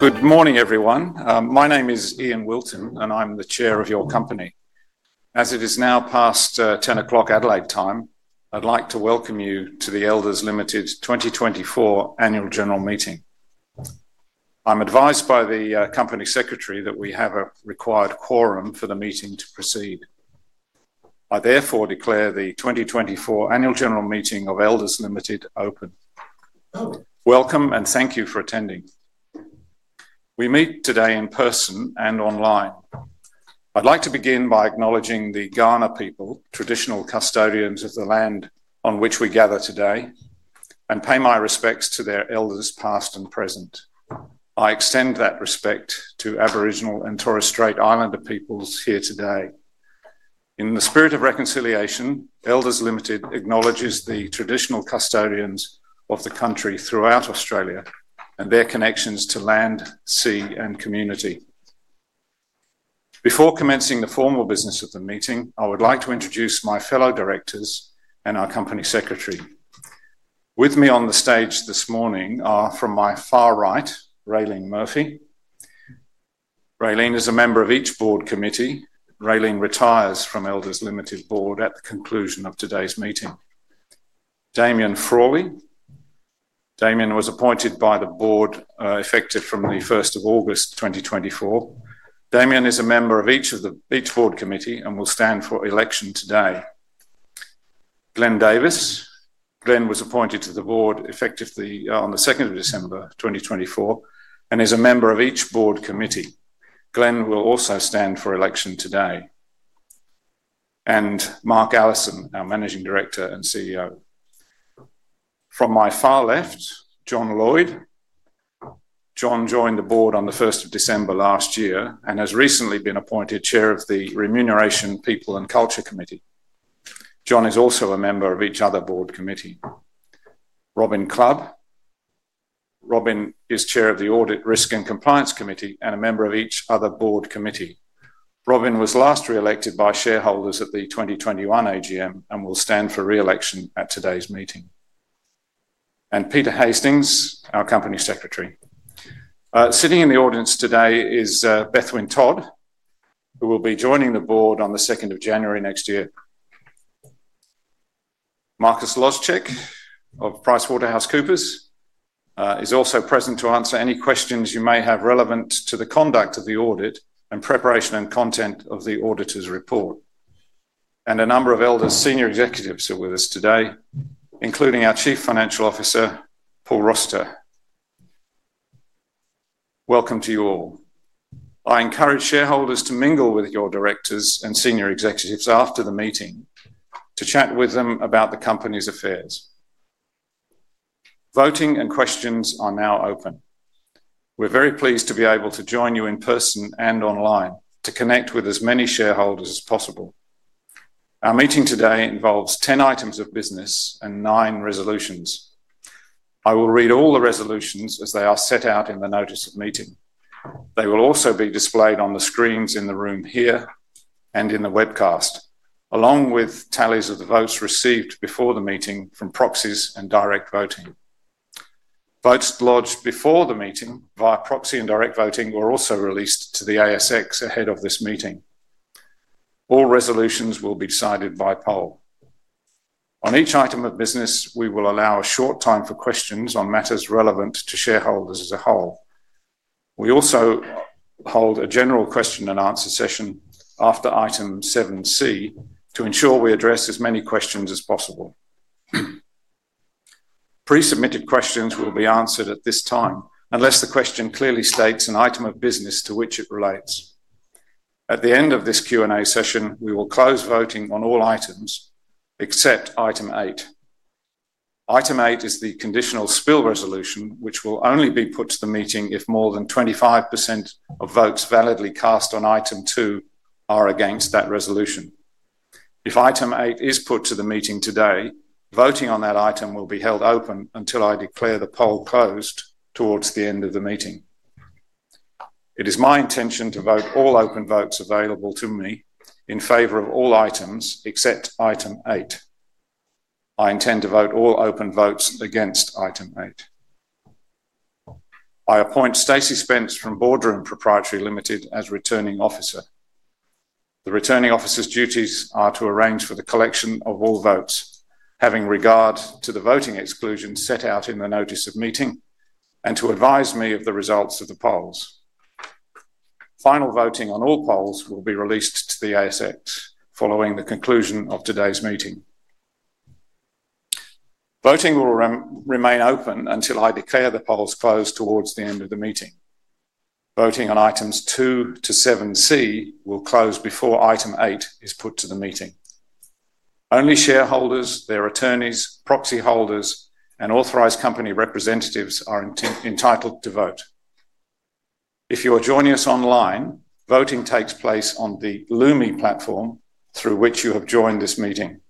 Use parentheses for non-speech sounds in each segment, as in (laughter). Good morning, everyone. My name is Ian Wilton, and I'm the Chair of your company. As it is now past 10 o'clock Adelaide time, I'd like to welcome you to the Elders Limited 2024 Annual General Meeting. I'm advised by the company secretary that we have a required quorum for the meeting to proceed. I therefore declare the 2024 Annual General Meeting of Elders Limited open. Welcome, and thank you for attending. We meet today in person and online. I'd like to begin by acknowledging the Kaurna people, traditional custodians of the land on which we gather today, and pay my respects to their elders past and present. I extend that respect to Aboriginal and Torres Strait Islander peoples here today. In the spirit of reconciliation, Elders Limited acknowledges the traditional custodians of the country throughout Australia and their connections to land, sea, and community. Before commencing the formal business of the meeting, I would like to introduce my fellow directors and our company secretary. With me on the stage this morning are from my far right, Raelene Murphy. Raelene is a member of each board committee. Raelene retires from Elders Limited board at the conclusion of today's meeting. Damien Frawley. Damien was appointed by the board effective from the 1st of August 2024. Damien is a member of each board committee and will stand for election today. Glenn Davis. Glenn was appointed to the board effective on the 2nd of December 2024 and is a member of each board committee. Glenn will also stand for election today. And Mark Allison, our Managing Director and CEO. From my far left, John Lloyd. John joined the board on the 1st of December last year and has recently been appointed chair of the Remuneration, People and Culture Committee. John is also a member of each other board committee. Robyn Clubb. Robyn is chair of the Audit, Risk and Compliance Committee and a member of each other board committee. Robyn was last re-elected by shareholders at the 2021 AGM and will stand for re-election at today's meeting. And Peter Hastings, our Company Secretary. Sitting in the audience today is Bethwyn Todd, who will be joining the board on the 2nd of January next year. Marcus Lojszczyk of PricewaterhouseCoopers is also present to answer any questions you may have relevant to the conduct of the audit and preparation and content of the auditor's report. And a number of Elders' senior executives are with us today, including our Chief Financial Officer, Paul Rossiter. Welcome to you all. I encourage shareholders to mingle with your directors and senior executives after the meeting to chat with them about the company's affairs. Voting and questions are now open. We're very pleased to be able to join you in person and online to connect with as many shareholders as possible. Our meeting today involves 10 items of business and nine resolutions. I will read all the resolutions as they are set out in the notice of meeting. They will also be displayed on the screens in the room here and in the webcast, along with tallies of the votes received before the meeting from proxies and direct voting. Votes lodged before the meeting via proxy and direct voting were also released to the ASX ahead of this meeting. All resolutions will be decided by poll. On each item of business, we will allow a short time for questions on matters relevant to shareholders as a whole. We also hold a general question and answer session after item 7C to ensure we address as many questions as possible. Pre-submitted questions will be answered at this time unless the question clearly states an item of business to which it relates. At the end of this Q&A session, we will close voting on all items except item 8. Item 8 is the conditional spill resolution, which will only be put to the meeting if more than 25% of votes validly cast on item 2 are against that resolution. If item 8 is put to the meeting today, voting on that item will be held open until I declare the poll closed towards the end of the meeting. It is my intention to vote all open votes available to me in favor of all items except item 8. I intend to vote all open votes against item 8. I appoint Stacey Spence from Boardroom Pty Limited as Returning Officer. The Returning Officer's duties are to arrange for the collection of all votes, having regard to the voting exclusion set out in the notice of meeting, and to advise me of the results of the polls. Final voting on all polls will be released to the ASX following the conclusion of today's meeting. Voting will remain open until I declare the polls closed towards the end of the meeting. Voting on items 2 to 7C will close before item 8 is put to the meeting. Only shareholders, their attorneys, proxy holders, and authorized company representatives are entitled to vote. If you are joining us online, voting takes place on the Lumi platform through which you have joined this meeting.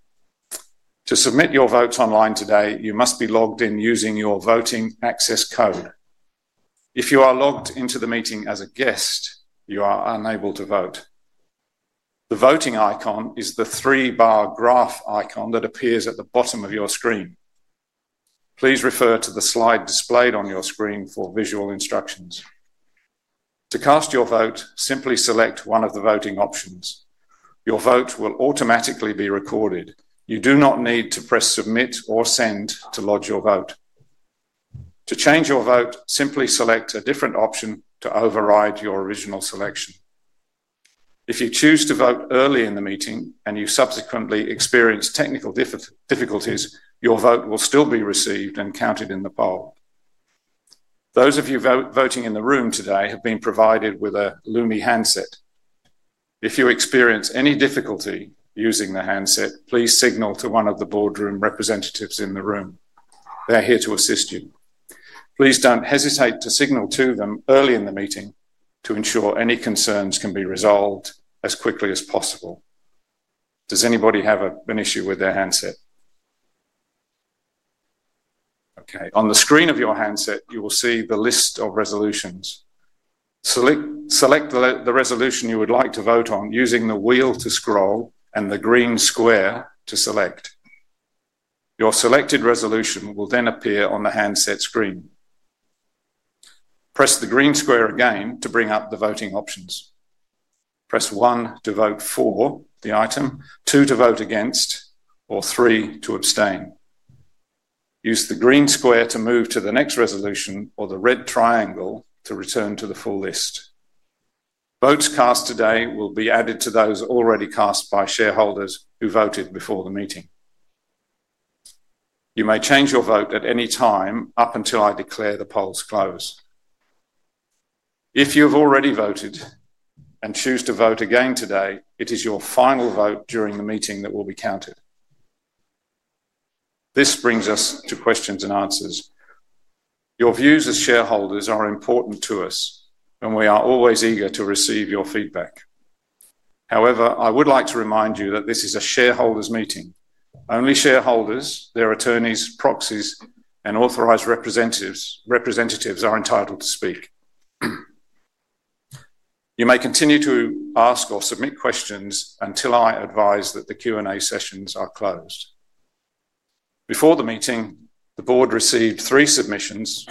To submit your votes online today, you must be logged in using your voting access code. If you are logged into the meeting as a guest, you are unable to vote. The voting icon is the three-bar graph icon that appears at the bottom of your screen. Please refer to the slide displayed on your screen for visual instructions. To cast your vote, simply select one of the voting options. Your vote will automatically be recorded. You do not need to press submit or send to lodge your vote. To change your vote, simply select a different option to override your original selection. If you choose to vote early in the meeting and you subsequently experience technical difficulties, your vote will still be received and counted in the poll. Those of you voting in the room today have been provided with a Lumi handset. If you experience any difficulty using the handset, please signal to one of the boardroom representatives in the room. They're here to assist you. Please don't hesitate to signal to them early in the meeting to ensure any concerns can be resolved as quickly as possible. Does anybody have an issue with their handset? Okay. On the screen of your handset, you will see the list of resolutions. Select the resolution you would like to vote on using the wheel to scroll and the green square to select. Your selected resolution will then appear on the handset screen. Press the green square again to bring up the voting options. Press one to vote for the item, two to vote against, or three to abstain. Use the green square to move to the next resolution or the red triangle to return to the full list. Votes cast today will be added to those already cast by shareholders who voted before the meeting. You may change your vote at any time up until I declare the polls closed. If you have already voted and choose to vote again today, it is your final vote during the meeting that will be counted. This brings us to questions and answers. Your views as shareholders are important to us, and we are always eager to receive your feedback. However, I would like to remind you that this is a shareholders' meeting. Only shareholders, their attorneys, proxies, and authorized representatives are entitled to speak. You may continue to ask or submit questions until I advise that the Q&A sessions are closed. Before the meeting, the board received three submissions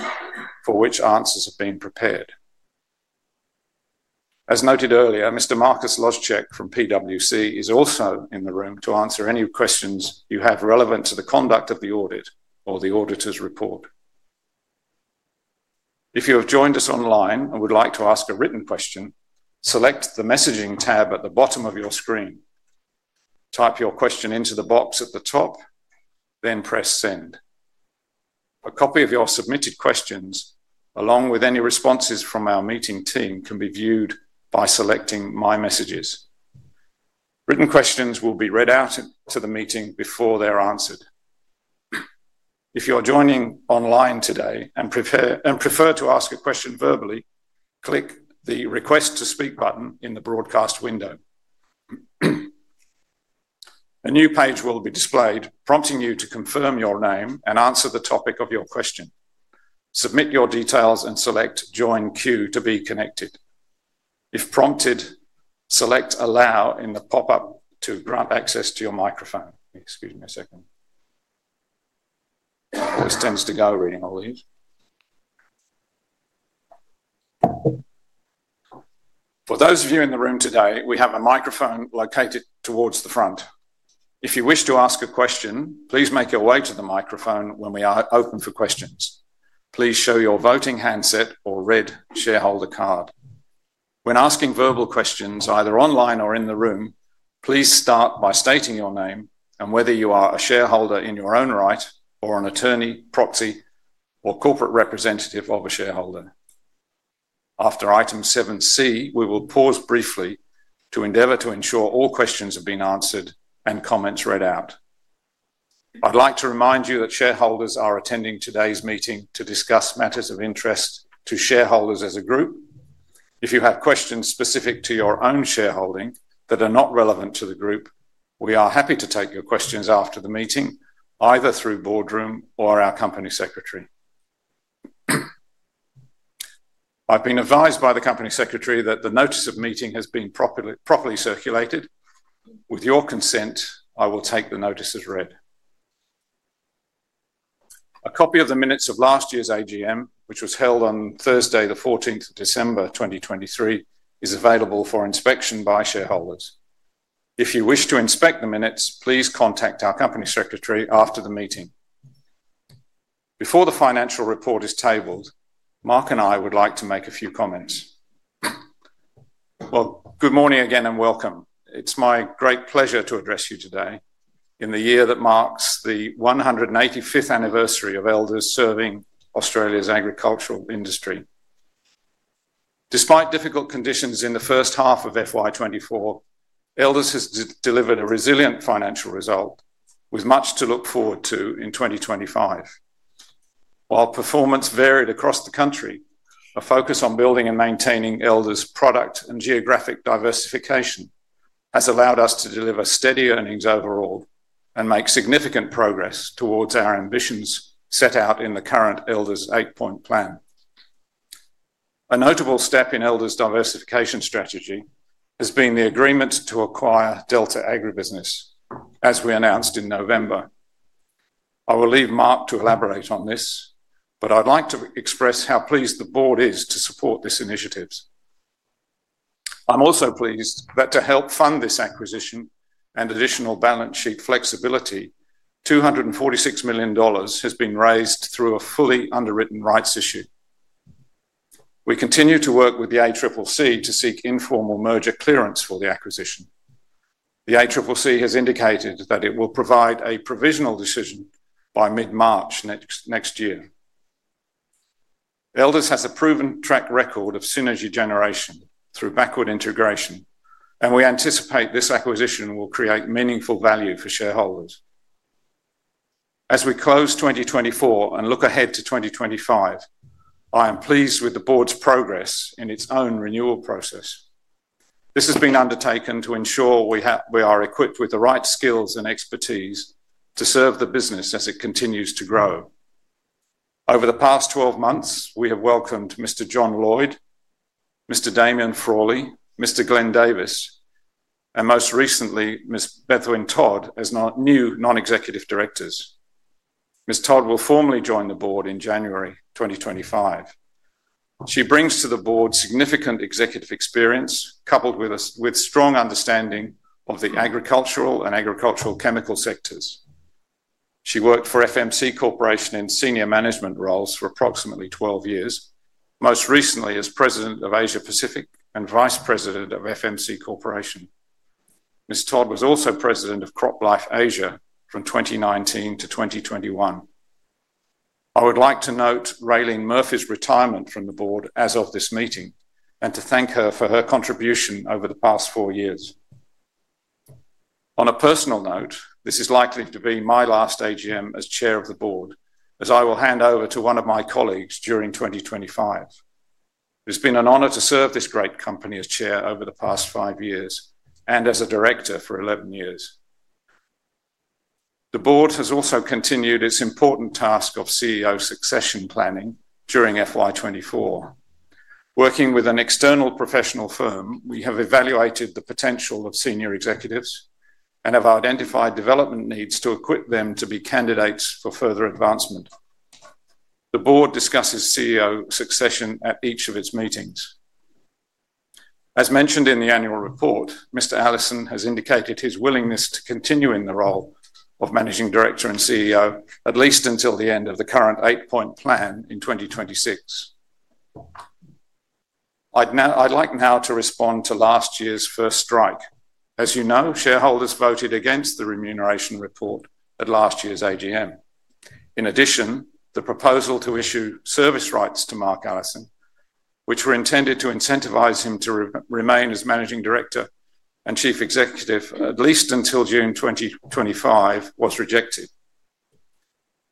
for which answers have been prepared. As noted earlier, Mr. Marcus Lojszczyk from PwC is also in the room to answer any questions you have relevant to the conduct of the audit or the auditor's report. If you have joined us online and would like to ask a written question, select the messaging tab at the bottom of your screen. Type your question into the box at the top, then press send. A copy of your submitted questions, along with any responses from our meeting team, can be viewed by selecting my messages. Written questions will be read out to the meeting before they're answered. If you're joining online today and prefer to ask a question verbally, click the request to speak button in the broadcast window. A new page will be displayed, prompting you to confirm your name and answer the topic of your question. Submit your details and select join queue to be connected. If prompted, select allow in the pop-up to grant access to your microphone. Excuse me a second. This tends to go reading all these. For those of you in the room today, we have a microphone located towards the front. If you wish to ask a question, please make your way to the microphone when we are open for questions. Please show your voting handset or red shareholder card. When asking verbal questions, either online or in the room, please start by stating your name and whether you are a shareholder in your own right or an attorney, proxy, or corporate representative of a shareholder. After item 7C, we will pause briefly to endeavor to ensure all questions have been answered and comments read out. I'd like to remind you that shareholders are attending today's meeting to discuss matters of interest to shareholders as a group. If you have questions specific to your own shareholding that are not relevant to the group, we are happy to take your questions after the meeting, either through Boardroom or our company secretary. I've been advised by the company secretary that the notice of meeting has been properly circulated. With your consent, I will take the notice as read. A copy of the minutes of last year's AGM, which was held on Thursday, the 14th of December 2023, is available for inspection by shareholders. If you wish to inspect the minutes, please contact our company secretary after the meeting. Before the financial report is tabled, Mark and I would like to make a few comments. Good morning again and welcome. It's my great pleasure to address you today in the year that marks the 185th anniversary of Elders serving Australia's agricultural industry. Despite difficult conditions in the first half of FY2024, Elders has delivered a resilient financial result with much to look forward to in 2025. While performance varied across the country, a focus on building and maintaining Elders' product and geographic diversification has allowed us to deliver steady earnings overall and make significant progress towards our ambitions set out in the current Elders' Eight-Point Plan. A notable step in Elders' diversification strategy has been the agreement to acquire Delta Agribusiness, as we announced in November. I will leave Mark to elaborate on this, but I'd like to express how pleased the board is to support this initiative. I'm also pleased that to help fund this acquisition and additional balance sheet flexibility, 246 million dollars has been raised through a fully underwritten rights issue. We continue to work with the ACCC to seek informal merger clearance for the acquisition. The ACCC has indicated that it will provide a provisional decision by mid-March next year. Elders has a proven track record of synergy generation through backward integration, and we anticipate this acquisition will create meaningful value for shareholders. As we close 2024 and look ahead to 2025, I am pleased with the board's progress in its own renewal process. This has been undertaken to ensure we are equipped with the right skills and expertise to serve the business as it continues to grow. Over the past 12 months, we have welcomed Mr. John Lloyd, Mr. Damien Frawley, Mr. Glenn Davis, and most recently, Ms. Bethwyn Todd as new non-executive directors. Ms. Todd will formally join the board in January 2025. She brings to the board significant executive experience coupled with strong understanding of the agricultural and agricultural chemical sectors. She worked for FMC Corporation in senior management roles for approximately 12 years, most recently as president of Asia Pacific and vice president of FMC Corporation. Ms. Todd was also president of CropLife Asia from 2019 to 2021. I would like to note Raelene Murphy's retirement from the board as of this meeting and to thank her for her contribution over the past four years. On a personal note, this is likely to be my last AGM as chair of the board, as I will hand over to one of my colleagues during 2025. It has been an honor to serve this great company as chair over the past five years and as a director for 11 years. The board has also continued its important task of CEO succession planning during FY2024. Working with an external professional firm, we have evaluated the potential of senior executives and have identified development needs to equip them to be candidates for further advancement. The board discusses CEO succession at each of its meetings. As mentioned in the annual report, Mr. Allison has indicated his willingness to continue in the role of Managing Director and CEO, at least until the end of the current Eight-Point Plan in 2026. I'd like now to respond to last year's First strike. As you know, shareholders voted against the remuneration report at last year's AGM. In addition, the proposal to issue service rights to Mark Allison, which were intended to incentivize him to remain as Managing Director and Chief Executive at least until June 2025, was rejected.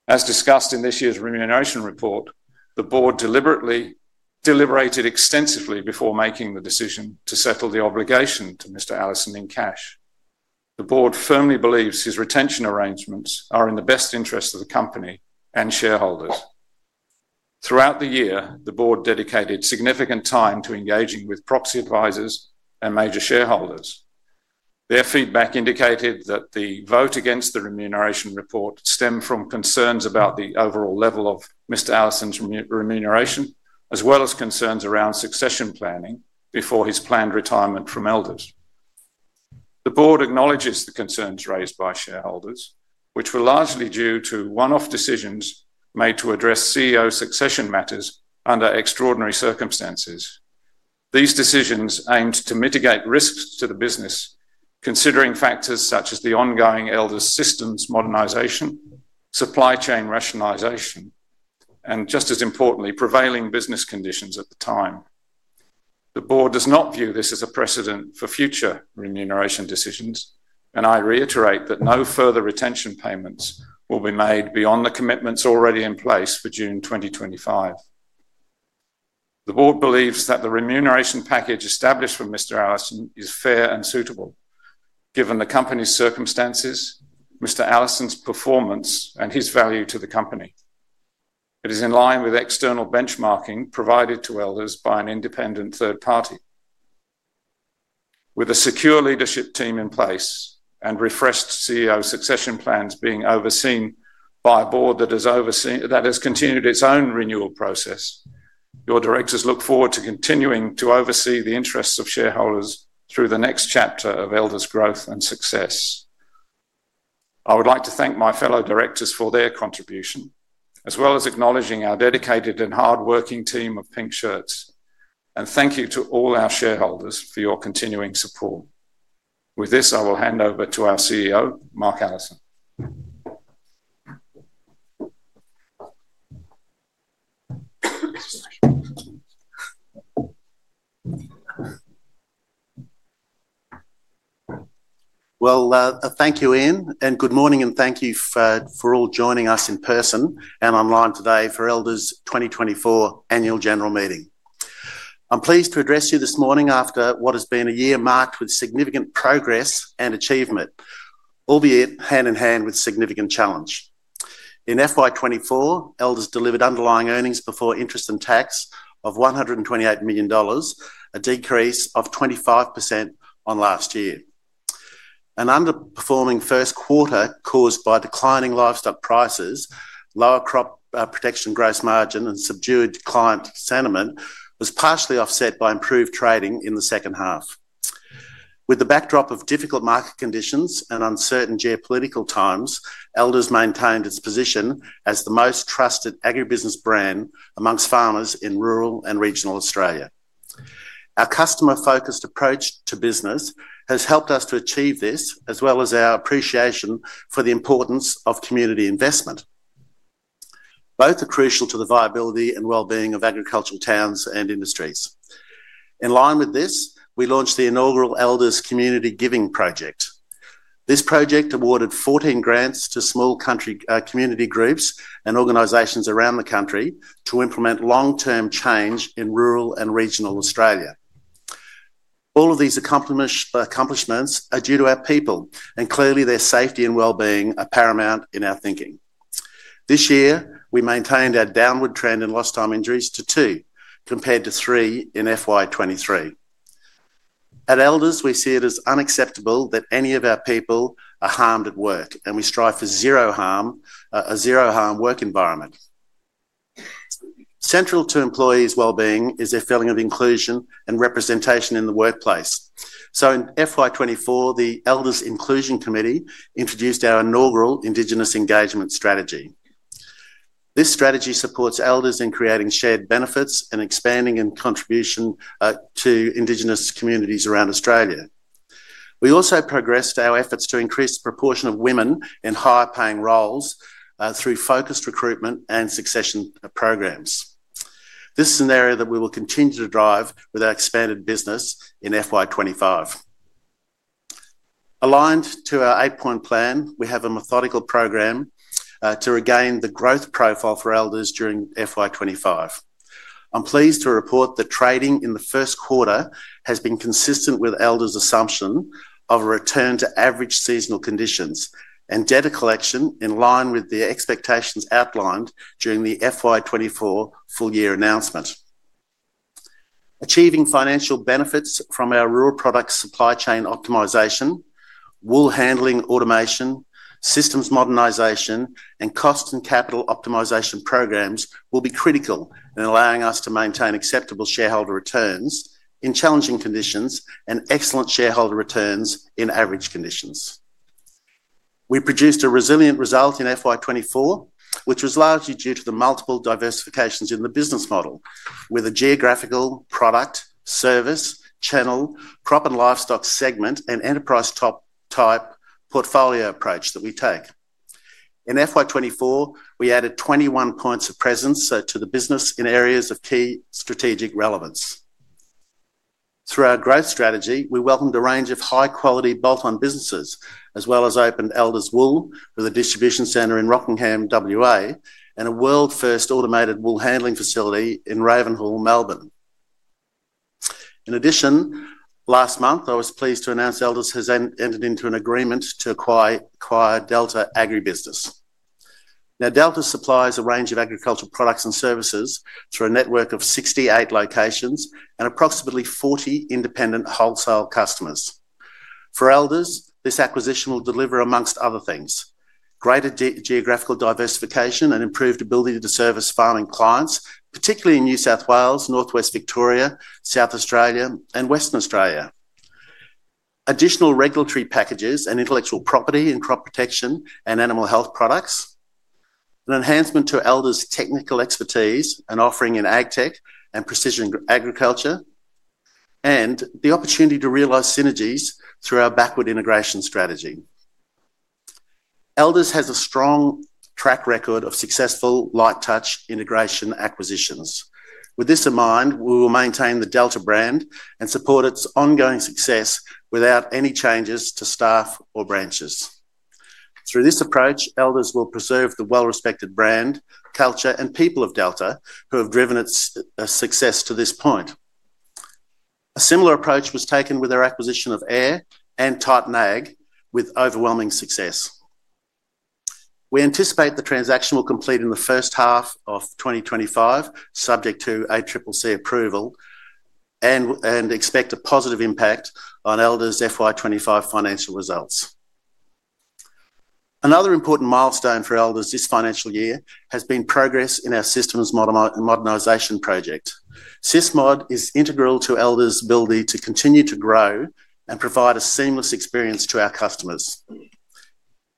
As discussed in this year's remuneration report, the board deliberated extensively before making the decision to settle the obligation to Mr. Allison in cash. The board firmly believes his retention arrangements are in the best interest of the company and shareholders. Throughout the year, the board dedicated significant time to engaging with proxy advisors and major shareholders. Their feedback indicated that the vote against the remuneration report stemmed from concerns about the overall level of Mr. Allison's remuneration, as well as concerns around succession planning before his planned retirement from Elders. The board acknowledges the concerns raised by shareholders, which were largely due to one-off decisions made to address CEO succession matters under extraordinary circumstances. These decisions aimed to mitigate risks to the business, considering factors such as the ongoing Elders' systems modernization, supply chain rationalization, and just as importantly, prevailing business conditions at the time. The board does not view this as a precedent for future remuneration decisions, and I reiterate that no further retention payments will be made beyond the commitments already in place for June 2025. The board believes that the remuneration package established for Mr. Allison is fair and suitable, given the company's circumstances, Mr. Allison's performance, and his value to the company. It is in line with external benchmarking provided to Elders by an independent third party. With a secure leadership team in place and refreshed CEO succession plans being overseen by a board that has continued its own renewal process, your directors look forward to continuing to oversee the interests of shareholders through the next chapter of Elders' growth and success. I would like to thank my fellow directors for their contribution, as well as acknowledging our dedicated and hardworking team of pink shirts. Thank you to all our shareholders for your continuing support. With this, I will hand over to our CEO, Mark Allison. Thank you, Ian, and good morning, and thank you for all joining us in person and online today for Elders' 2024 annual general meeting. I'm pleased to address you this morning after what has been a year marked with significant progress and achievement, albeit hand in hand with significant challenge. In FY2024, Elders delivered underlying earnings before interest and tax of 128 million dollars, a decrease of 25% on last year. An underperforming first quarter caused by declining livestock prices, lower crop protection gross margin, and subdued client sentiment was partially offset by improved trading in the second half. With the backdrop of difficult market conditions and uncertain geopolitical times, Elders maintained its position as the most trusted agribusiness brand among farmers in rural and regional Australia. Our customer-focused approach to business has helped us to achieve this, as well as our appreciation for the importance of community investment. Both are crucial to the viability and well-being of agricultural towns and industries. In line with this, we launched the inaugural Elders Community Giving Project. This project awarded 14 grants to small community groups and organizations around the country to implement long-term change in rural and regional Australia. All of these accomplishments are due to our people, and clearly, their safety and well-being are paramount in our thinking. This year, we maintained our downward trend in lost time injuries to two, compared to three in FY2023. At Elders, we see it as unacceptable that any of our people are harmed at work, and we strive for zero-harm work environment. Central to employees' well-being is their feeling of inclusion and representation in the workplace. In FY2024, the Elders Inclusion Committee introduced our inaugural Indigenous Engagement Strategy. This strategy supports Elders in creating shared benefits and expanding contributions to Indigenous communities around Australia. We also progressed our efforts to increase the proportion of women in higher-paying roles through focused recruitment and succession programs. This is an area that we will continue to drive with our expanded business in FY2025. Aligned to our Eight-Point Plan, we have a methodical program to regain the growth profile for Elders during FY2025. I'm pleased to report that trading in the first quarter has been consistent with Elders' assumption of a return to average seasonal conditions and debtor collection in line with the expectations outlined during the FY2024 full-year announcement. Achieving financial benefits from our raw product supply chain optimization, wool handling automation, systems modernization, and cost and capital optimization programs will be critical in allowing us to maintain acceptable shareholder returns in challenging conditions and excellent shareholder returns in average conditions. We produced a resilient result in FY2024, which was largely due to the multiple diversifications in the business model with a geographical product service channel, crop and livestock segment, and enterprise type portfolio approach that we take. In FY2024, we added 21 points of presence to the business in areas of key strategic relevance. Through our growth strategy, we welcomed a range of high-quality bolt-on businesses, as well as opened Elders Wool with a distribution center in Rockingham, WA, and a world-first automated wool handling facility in Ravenhall, Melbourne. In addition, last month, I was pleased to announce Elders has entered into an agreement to acquire Delta Agribusiness. Now, Delta supplies a range of agricultural products and services through a network of 68 locations and approximately 40 independent wholesale customers. For Elders, this acquisition will deliver, among other things, greater geographical diversification and improved ability to service farming clients, particularly in New South Wales, Northwest Victoria, South Australia, and Western Australia, additional regulatory packages and intellectual property and crop protection and animal health products, an enhancement to Elders' technical expertise and offering in agtech and precision agriculture, and the opportunity to realize synergies through our backward integration strategy. Elders has a strong track record of successful light-touch integration acquisitions. With this in mind, we will maintain the Delta brand and support its ongoing success without any changes to staff or branches. Through this approach, Elders will preserve the well-respected brand, culture, and people of Delta who have driven its success to this point. A similar approach was taken with our acquisition of AIRR and Titan Ag with overwhelming success. We anticipate the transaction will complete in the first half of 2025, subject to ACCC approval, and expect a positive impact on Elders' FY2025 financial results. Another important milestone for Elders this financial year has been progress in our systems modernization project. SysMod is integral to Elders' ability to continue to grow and provide a seamless experience to our customers.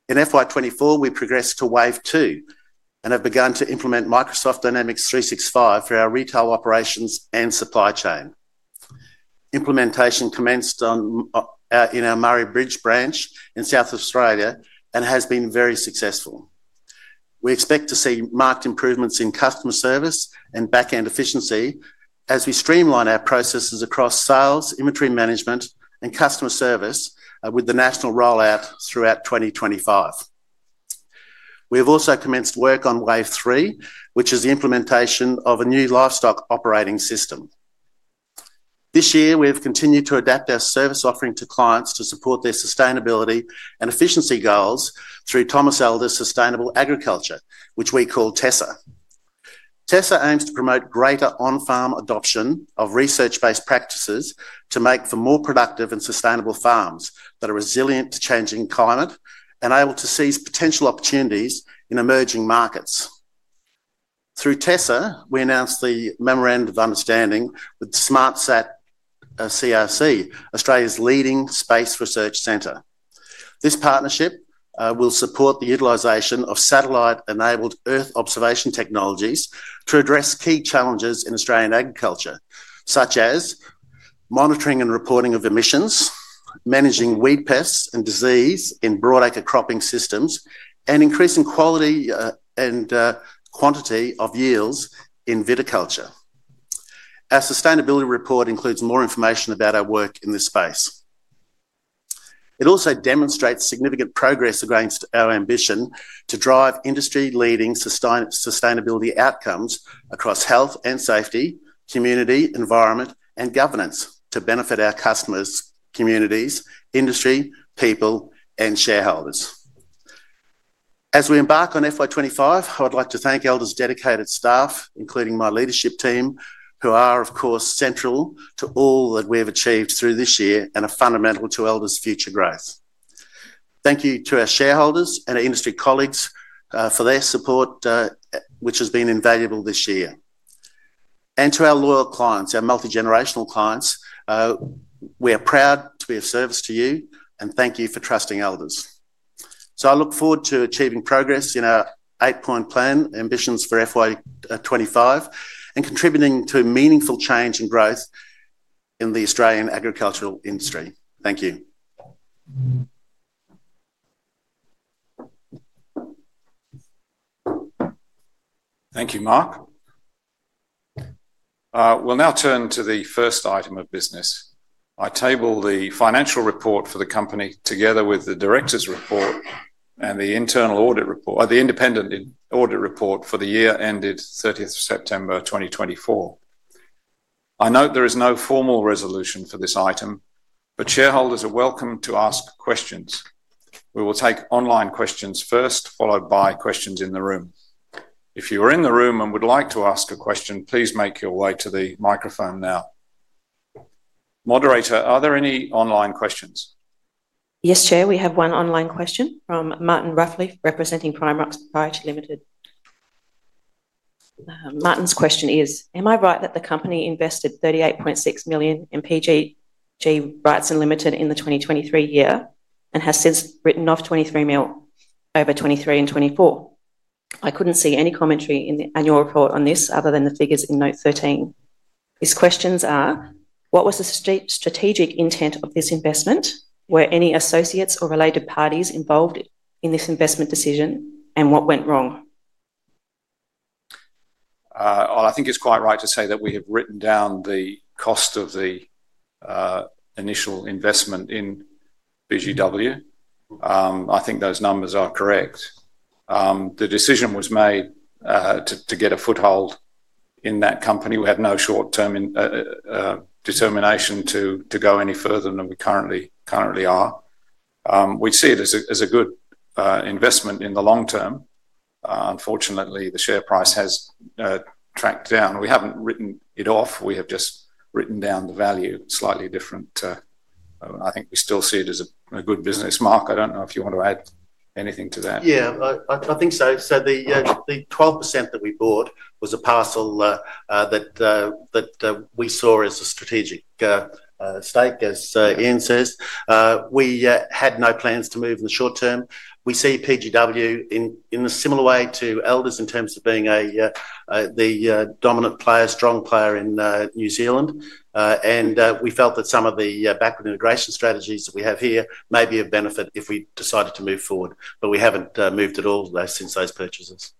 In FY2024, we progressed to wave two and have begun to implement Microsoft Dynamics 365 for our retail operations and supply chain. Implementation commenced in our Murray Bridge branch in South Australia and has been very successful. We expect to see marked improvements in customer service and backend efficiency as we streamline our processes across sales, inventory management, and customer service with the national rollout throughout 2025. We have also commenced work on Wave Three, which is the implementation of a new livestock operating system. This year, we have continued to adapt our service offering to clients to support their sustainability and efficiency goals through Thomas Elders Sustainable Agriculture, which we call TESA. TESA aims to promote greater on-farm adoption of research-based practices to make for more productive and sustainable farms that are resilient to changing climate and able to seize potential opportunities in emerging markets. Through TESA, we announced the memorandum of understanding with SmartSat CRC, Australia's leading space research center. This partnership will support the utilization of satellite-enabled Earth observation technologies to address key challenges in Australian agriculture, such as monitoring and reporting of emissions, managing weed pests and disease in broadacre cropping systems, and increasing quality and quantity of yields in viticulture. Our sustainability report includes more information about our work in this space. It also demonstrates significant progress against our ambition to drive industry-leading sustainability outcomes across health and safety, community, environment, and governance to benefit our customers, communities, industry, people, and shareholders. As we embark on FY2025, I would like to thank Elders' dedicated staff, including my leadership team, who are, of course, central to all that we have achieved through this year and are fundamental to Elders' future growth. Thank you to our shareholders and our industry colleagues for their support, which has been invaluable this year, and to our loyal clients, our multi-generational clients, we are proud to be of service to you, and thank you for trusting Elders, so I look forward to achieving progress in our Eight-Point Plan, ambitions for FY2025, and contributing to meaningful change and growth in the Australian agricultural industry. Thank you. Thank you, Mark. We'll now turn to the first item of business. I table the financial report for the company together with the directors' report and the internal audit report, the independent audit report for the year ended 30th September 2024. I note there is no formal resolution for this item, but shareholders are welcome to ask questions. We will take online questions first, followed by questions in the room. If you are in the room and would like to ask a question, please make your way to the microphone now. Moderator, are there any online questions? Yes, Chair. We have one online question from Martin Ruffley, representing Prime Rock Pty Ltd. Martin's question is, "Am I right that the company invested 38.6 million in PGG Wrightson Limited in the 2023 year and has since written off 23 million over 2023 and 2024? I couldn't see any commentary in the annual report on this other than the figures in note 13. His questions are, "What was the strategic intent of this investment? Were any associates or related parties involved in this investment decision, and what went wrong?" I think it's quite right to say that we have written down the cost of the initial investment in PGW. I think those numbers are correct. The decision was made to get a foothold in that company. We have no short-term determination to go any further than we currently are. We see it as a good investment in the long term. Unfortunately, the share price has tracked down. We haven't written it off. We have just written down the value, slightly different. I think we still see it as a good business, Mark. I don't know if you want to add anything to that. Yeah, I think so. So the 12% that we bought was a parcel that we saw as a strategic stake, as Ian says. We had no plans to move in the short term. We see PGW in a similar way to Elders in terms of being the dominant player, strong player in New Zealand. And we felt that some of the backward integration strategies that we have here may be of benefit if we decided to move forward. But we haven't moved at all since those purchases.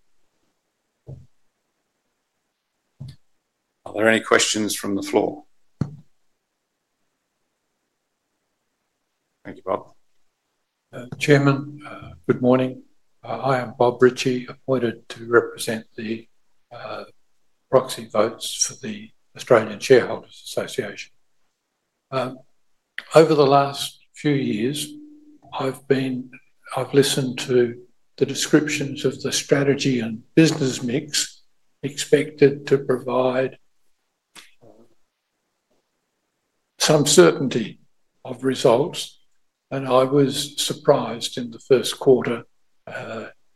Are there any questions from the floor? Thank you, Bob. Chairman, good morning. I am Bob Ritchie, appointed to represent the proxy votes for the Australian Shareholders' Association. Over the last few years, I've listened to the descriptions of the strategy and business mix expected to provide some certainty of results. And I was surprised in the first quarter,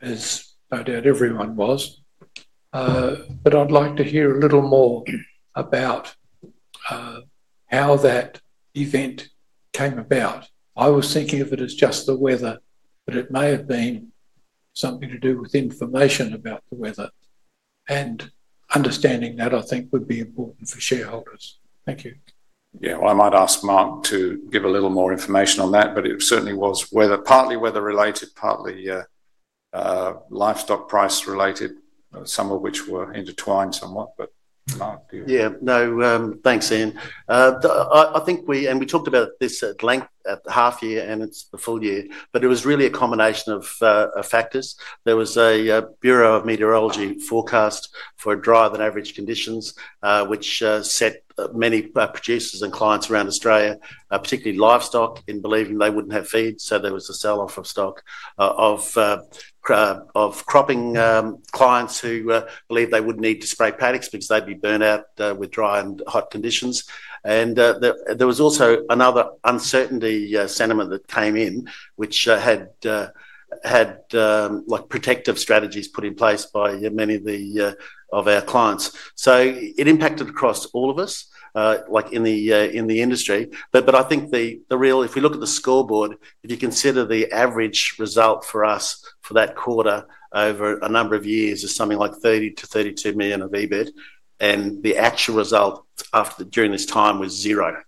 as no doubt everyone was. But I'd like to hear a little more about how that event came about. I was thinking of it as just the weather, but it may have been something to do with information about the weather. And understanding that, I think, would be important for shareholders. Thank you. Yeah, I might ask Mark to give a little more information on that, but it certainly was partly weather-related, partly livestock price-related, some of which were intertwined somewhat. But Mark, do you? Yeah, no, thanks, Ian. I think we talked about this at length at the half-year and at the full year, but it was really a combination of factors. There was a Bureau of Meteorology forecast for drier-than-average conditions, which set many producers and clients around Australia, particularly livestock, in believing they wouldn't have feed. So there was a sell-off of stock of cropping clients who believed they would need to spray paddocks because they'd be burned out with dry and hot conditions. And there was also another uncertainty sentiment that came in, which had protective strategies put in place by many of our clients. So it impacted across all of us in the industry. But I think the real, if we look at the scoreboard, if you consider the average result for us for that quarter over a number of years is something like 30 million-32 million of EBIT. And the actual result during this time was zero,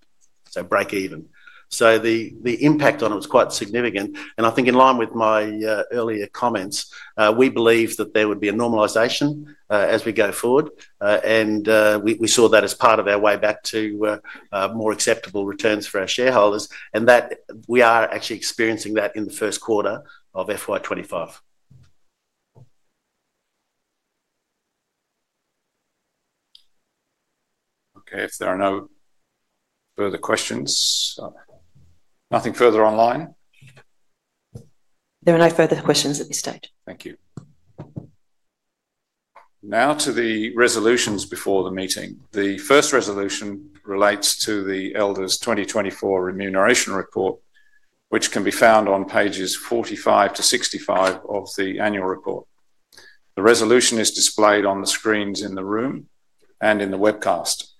so break even. So the impact on it was quite significant. And I think in line with my earlier comments, we believe that there would be a normalization as we go forward. And we saw that as part of our way back to more acceptable returns for our shareholders. And we are actually experiencing that in the first quarter of FY2025. Okay, if there are no further questions. Nothing further online? There are no further questions at this stage. Thank you. Now to the resolutions before the meeting. The first resolution relates to the Elders' 2024 remuneration report, which can be found on pages 45-65 of the annual report. The resolution is displayed on the screens in the room and in the webcast.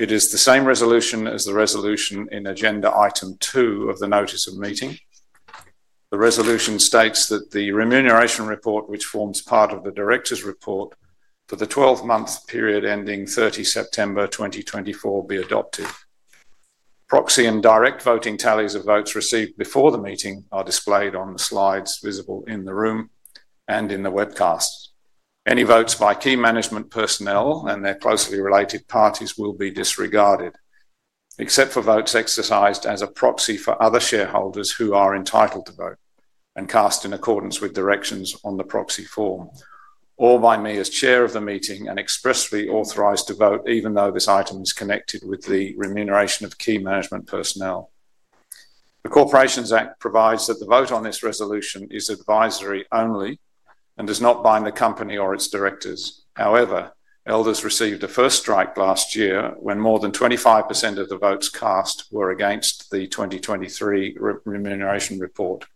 It is the same resolution as the resolution in agenda item two of the notice of meeting. The resolution states that the remuneration report, which forms part of the director's report for the 12-month period ending 30 September 2024, be adopted. Proxy and direct voting tallies of votes received before the meeting are displayed on the slides visible in the room and in the webcast. Any votes by key management personnel and their closely related parties will be disregarded, except for votes exercised as a proxy for other shareholders who are entitled to vote and cast in accordance with directions on the proxy form, or by me as chair of the meeting and expressly authorized to vote, even though this item is connected with the remuneration of key management personnel. The Corporations Act provides that the vote on this resolution is advisory only and does not bind the company or its directors. However, Elders received a first strike last year when more than 25% of the votes cast were against the 2023 remuneration report.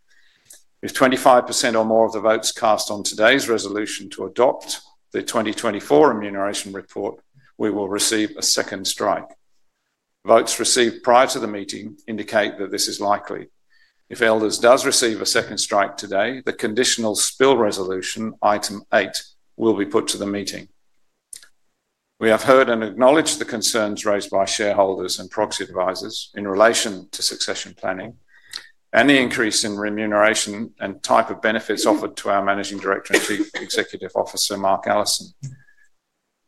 If 25% or more of the votes cast on today's resolution to adopt the 2024 remuneration report, we will receive a second strike. Votes received prior to the meeting indicate that this is likely. If Elders does receive a second strike today, the conditional spill resolution, item eight, will be put to the meeting. We have heard and acknowledged the concerns raised by shareholders and proxy advisors in relation to succession planning, any increase in remuneration, and type of benefits offered to our Managing Director and Chief Executive Officer, Mark Allison.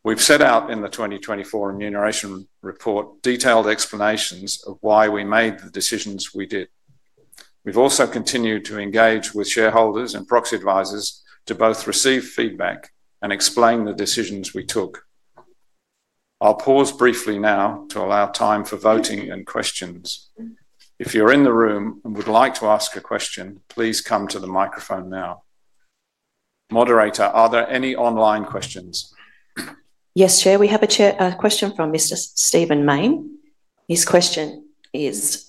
We've set out in the 2024 remuneration report detailed explanations of why we made the decisions we did. We've also continued to engage with shareholders and proxy advisors to both receive feedback and explain the decisions we took. I'll pause briefly now to allow time for voting and questions. If you're in the room and would like to ask a question, please come to the microphone now. Moderator, are there any online questions? Yes, Chair. We have a question from Mr. Stephen Mayne. His question is,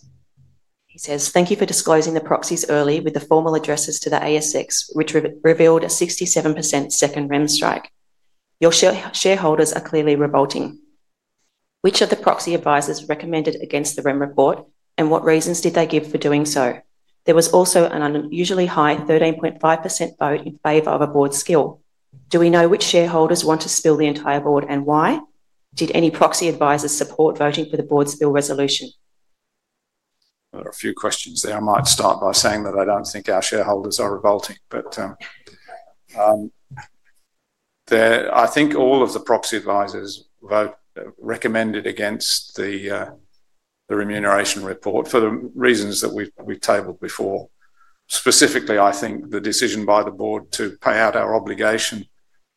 he says, "Thank you for disclosing the proxies early with the formal addresses to the ASX, which revealed a 67% second remuneration strike. Your shareholders are clearly revolting. Which of the proxy advisors recommended against the remuneration report, and what reasons did they give for doing so? There was also an unusually high 13.5% vote in favor of a board spill. Do we know which shareholders want to spill the entire board and why? Did any proxy advisors support voting for the board's spill resolution?" There are a few questions there. I might start by saying that I don't think our shareholders are revolting. But I think all of the proxy advisors recommended against the remuneration report for the reasons that we've tabled before. Specifically, I think the decision by the board to pay out our obligation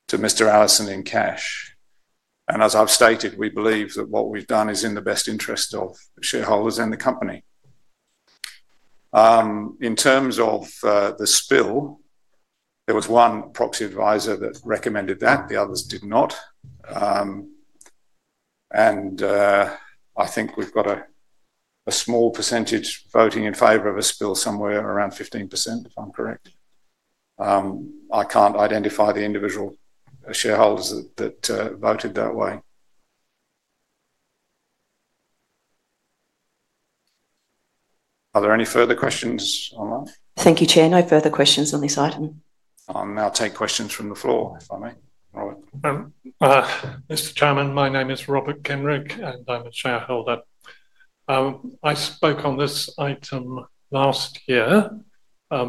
to Mr. Allison in cash. And as I've stated, we believe that what we've done is in the best interest of shareholders and the company. In terms of the spill, there was one proxy advisor that recommended that. The others did not. And I think we've got a small percentage voting in favor of a spill somewhere around 15%, if I'm correct. I can't identify the individual shareholders that voted that way. Are there any further questions on that? Thank you, Chair. No further questions on this item. I'll now take questions from the floor, if I may. Mr. Chairman, my name is Robert Kenrick, and I'm a shareholder. I spoke on this item last year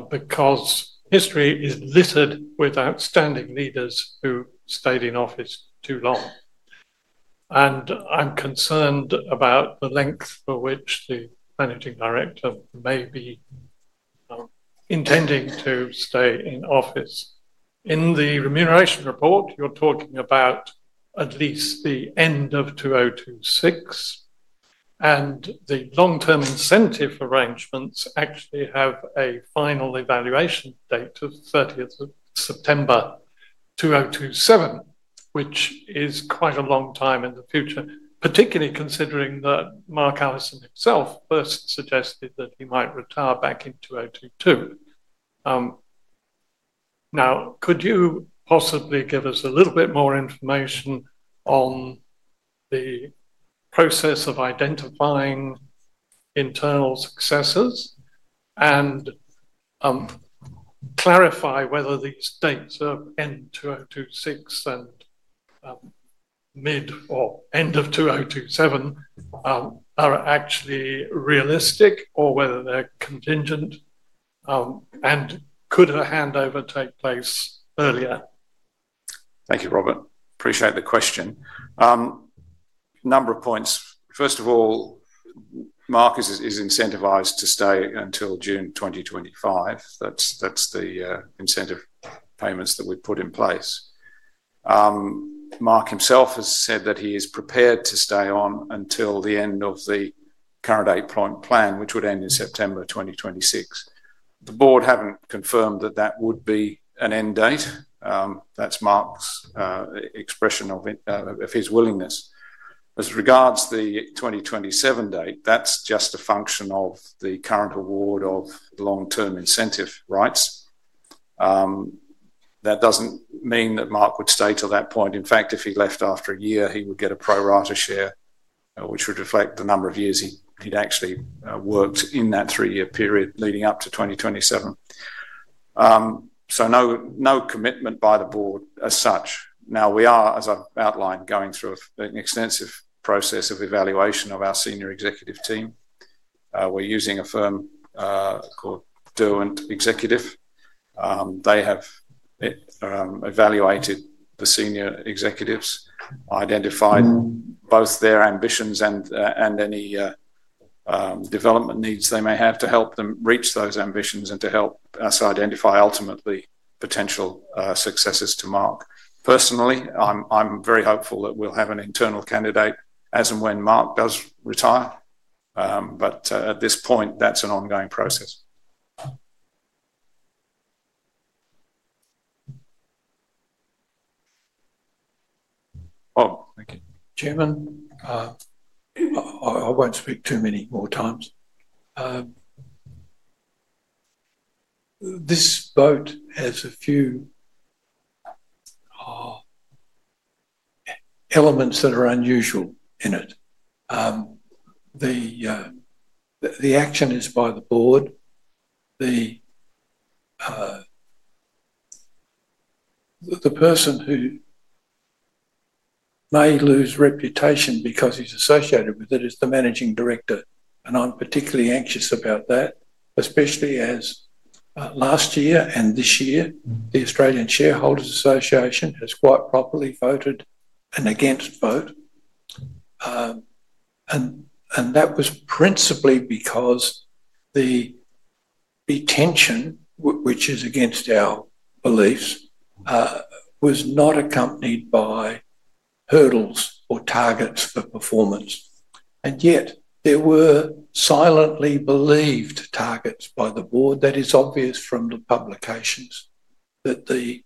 because history is littered with outstanding leaders who stayed in office too long. And I'm concerned about the length for which the managing director may be intending to stay in office. In the remuneration report, you're talking about at least the end of 2026. And the long-term incentive arrangements actually have a final evaluation date of 30th September 2027, which is quite a long time in the future, particularly considering that Mark Allison himself first suggested that he might retire back in 2022. Now, could you possibly give us a little bit more information on the process of identifying internal successors and clarify whether these dates of end 2026 and mid or end of 2027 are actually realistic or whether they're contingent and could a handover take place earlier? Thank you, Robert. Appreciate the question. A number of points. First of all, Mark is incentivized to stay until June 2025. That's the incentive payments that we've put in place. Mark himself has said that he is prepared to stay on until the end of the current eight-point plan, which would end in September 2026. The board haven't confirmed that that would be an end date. That's Mark's expression of his willingness. As regards the 2027 date, that's just a function of the current award of long-term incentive rights. That doesn't mean that Mark would stay till that point. In fact, if he left after a year, he would get a pro-rata share, which would reflect the number of years he'd actually worked in that three-year period leading up to 2027. So no commitment by the board as such. Now, we are, as I've outlined, going through an extensive process of evaluation of our senior executive team. We're using a firm called Derwent Executive. They have evaluated the senior executives, identified both their ambitions and any development needs they may have to help them reach those ambitions and to help us identify ultimately potential successors to Mark. Personally, I'm very hopeful that we'll have an internal candidate as and when Mark does retire. But at this point, that's an ongoing process. Bob, thank you. Chairman, I won't speak too many more times. This vote has a few elements that are unusual in it. The action is by the board. The person who may lose reputation because he's associated with it is the managing director. And I'm particularly anxious about that, especially as last year and this year, the Australian Shareholders' Association has quite properly voted an against vote. That was principally because the tension, which is against our beliefs, was not accompanied by hurdles or targets for performance. Yet, there were silently believed targets by the board. That is obvious from the publications that the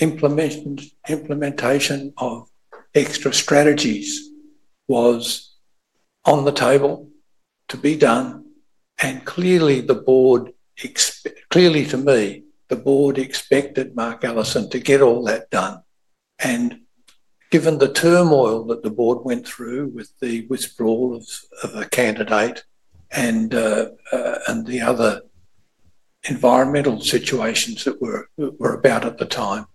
implementation of extra strategies was on the table to be done. Clearly, to me, the board expected Mark Allison to get all that done. Given the turmoil that the board went through with the withdrawal of a candidate and the other environmental situations that were about at the time,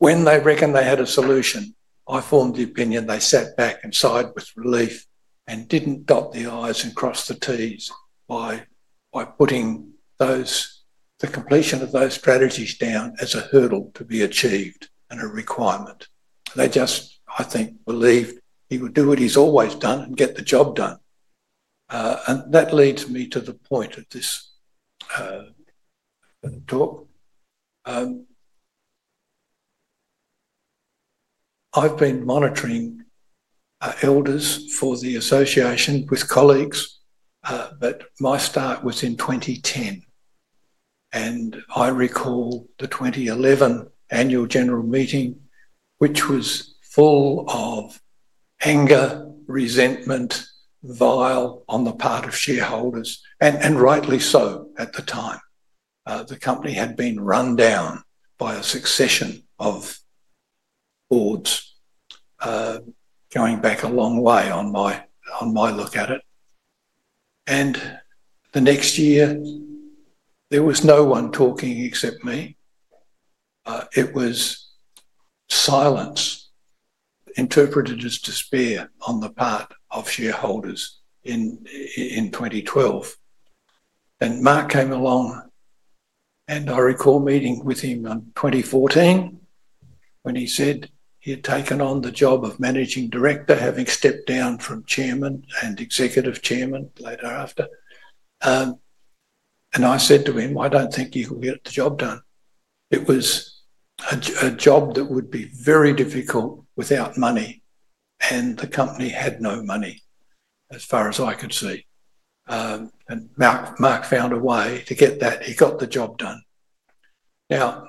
when they reckoned they had a solution, I formed the opinion they sat back and sighed with relief and didn't dot the i's and cross the t's by putting the completion of those strategies down as a hurdle to be achieved and a requirement. They just, I think, believed he would do what he's always done and get the job done. And that leads me to the point of this talk. I've been monitoring Elders for the association with colleagues, but my start was in 2010. And I recall the 2011 annual general meeting, which was full of anger, resentment, bile on the part of shareholders, and rightly so at the time. The company had been run down by a succession of boards going back a long way on my look at it. And the next year, there was no one talking except me. It was silence interpreted as despair on the part of shareholders in 2012. And Mark came along, and I recall meeting with him in 2014 when he said he had taken on the job of managing director, having stepped down from chairman and executive chairman later after. I said to him, "I don't think you can get the job done." It was a job that would be very difficult without money, and the company had no money, as far as I could see. Mark found a way to get that. He got the job done. Now,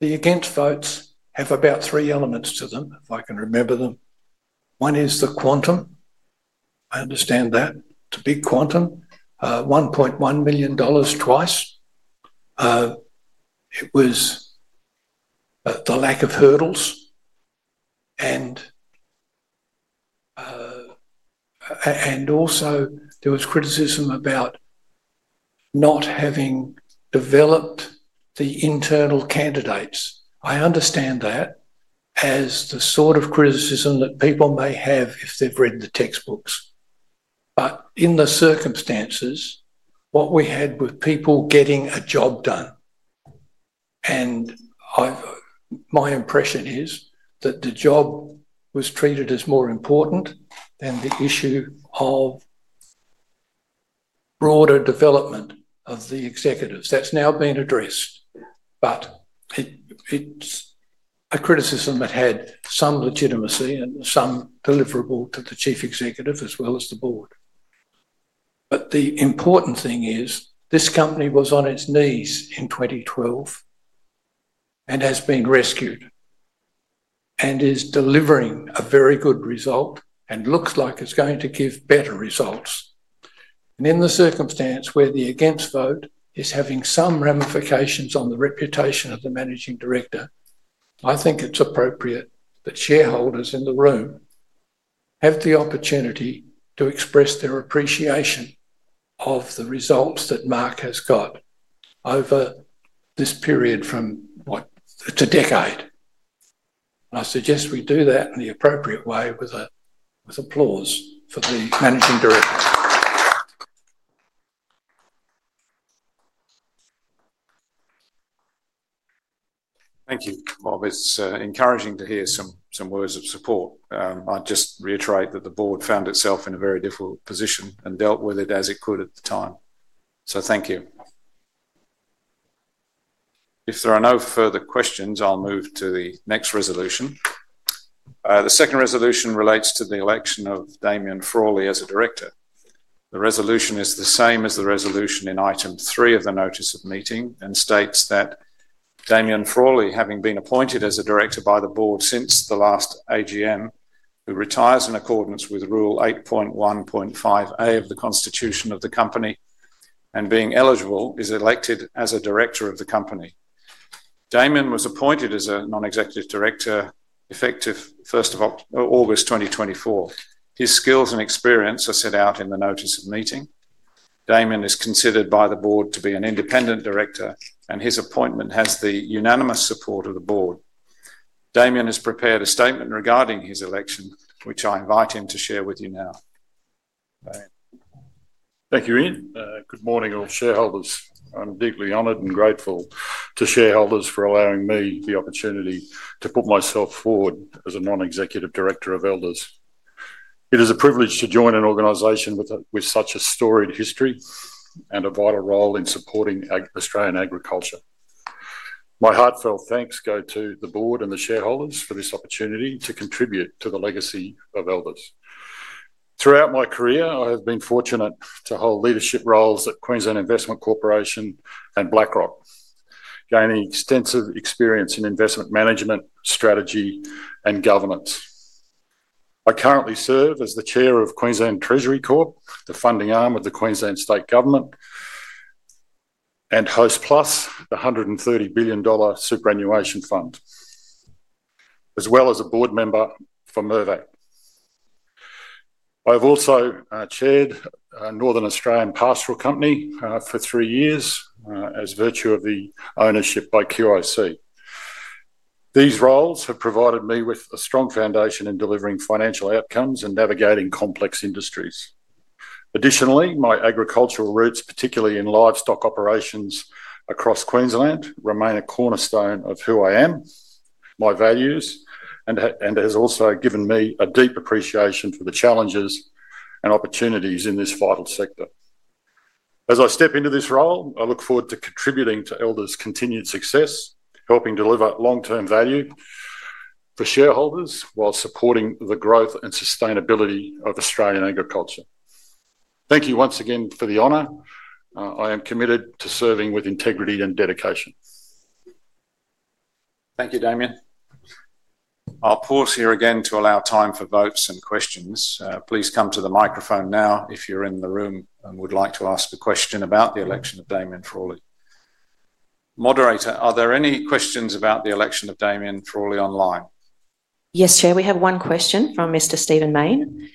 the against votes have about three elements to them, if I can remember them. One is the quantum. I understand that. It's a big quantum. 1.1 million dollars twice. It was the lack of hurdles. Also, there was criticism about not having developed the internal candidates. I understand that as the sort of criticism that people may have if they've read the textbooks. But in the circumstances, what we had were people getting a job done. My impression is that the job was treated as more important than the issue of broader development of the executives. That's now being addressed. But it's a criticism that had some legitimacy and some deliverable to the Chief Executive as well as the Board. But the important thing is this company was on its knees in 2012 and has been rescued and is delivering a very good result and looks like it's going to give better results. And in the circumstance where the against vote is having some ramifications on the reputation of the Managing Director, I think it's appropriate that shareholders in the room have the opportunity to express their appreciation of the results that Mark has got over this period from what, it's a decade. And I suggest we do that in the appropriate way with applause for the Managing Director. Thank you, Bob. It's encouraging to hear some words of support. I'd just reiterate that the board found itself in a very difficult position and dealt with it as it could at the time. So thank you. If there are no further questions, I'll move to the next resolution. The second resolution relates to the election of Damien Frawley as a director. The resolution is the same as the resolution in item three of the notice of meeting and states that Damien Frawley, having been appointed as a director by the board since the last AGM, who retires in accordance with Rule 8.1.5A of the constitution of the company and being eligible, is elected as a director of the company. Damien was appointed as a non-executive director effective 1st of August 2024. His skills and experience are set out in the notice of meeting. Damien is considered by the board to be an independent director, and his appointment has the unanimous support of the board. Damien has prepared a statement regarding his election, which I invite him to share with you now. Thank you, Ian. Good morning, all shareholders. I'm deeply honored and grateful to shareholders for allowing me the opportunity to put myself forward as a non-executive director of Elders. It is a privilege to join an organization with such a storied history and a vital role in supporting Australian agriculture. My heartfelt thanks go to the board and the shareholders for this opportunity to contribute to the legacy of Elders. Throughout my career, I have been fortunate to hold leadership roles at Queensland Investment Corporation and BlackRock, gaining extensive experience in investment management, strategy, and governance. I currently serve as the chair of Queensland Treasury Corporation, the funding arm of the Queensland State Government, and Hostplus, the 130 billion dollar superannuation fund, as well as a board member for Mirvac. I have also chaired Northern Australian Pastoral Company for three years by virtue of the ownership by QIC. These roles have provided me with a strong foundation in delivering financial outcomes and navigating complex industries. Additionally, my agricultural roots, particularly in livestock operations across Queensland, remain a cornerstone of who I am, my values, and has also given me a deep appreciation for the challenges and opportunities in this vital sector. As I step into this role, I look forward to contributing to Elders' continued success, helping deliver long-term value for shareholders while supporting the growth and sustainability of Australian agriculture. Thank you once again for the honor. I am committed to serving with integrity and dedication. Thank you, Damien. I'll pause here again to allow time for votes and questions. Please come to the microphone now if you're in the room and would like to ask a question about the election of Damien Frawley. Moderator, are there any questions about the election of Damien Frawley online? Yes, Chair. We have one question from Mr. Stephen Mayne.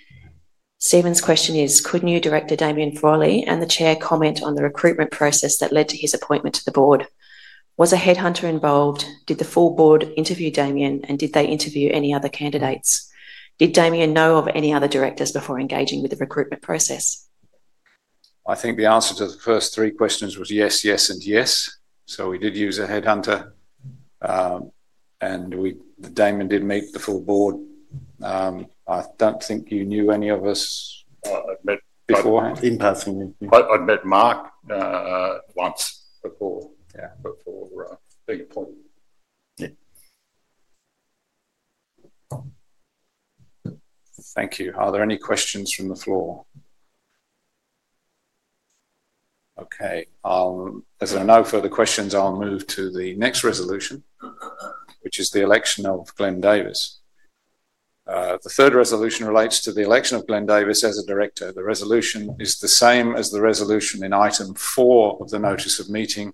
Stephen's question is, could new director Damien Frawley and the chair comment on the recruitment process that led to his appointment to the board? Was a headhunter involved? Did the full board interview Damien, and did they interview any other candidates? Did Damien know of any other directors before engaging with the recruitment process? I think the answer to the first three questions was yes, yes, and yes. So we did use a headhunter, and Damien did meet the full board. I don't think you knew any of us before. In person, yes. I'd met Mark once before being appointed. Thank you. Are there any questions from the floor? Okay. As there are no further questions, I'll move to the next resolution, which is the election of Glenn Davis. The third resolution relates to the election of Glenn Davis as a director. The resolution is the same as the resolution in item four of the notice of meeting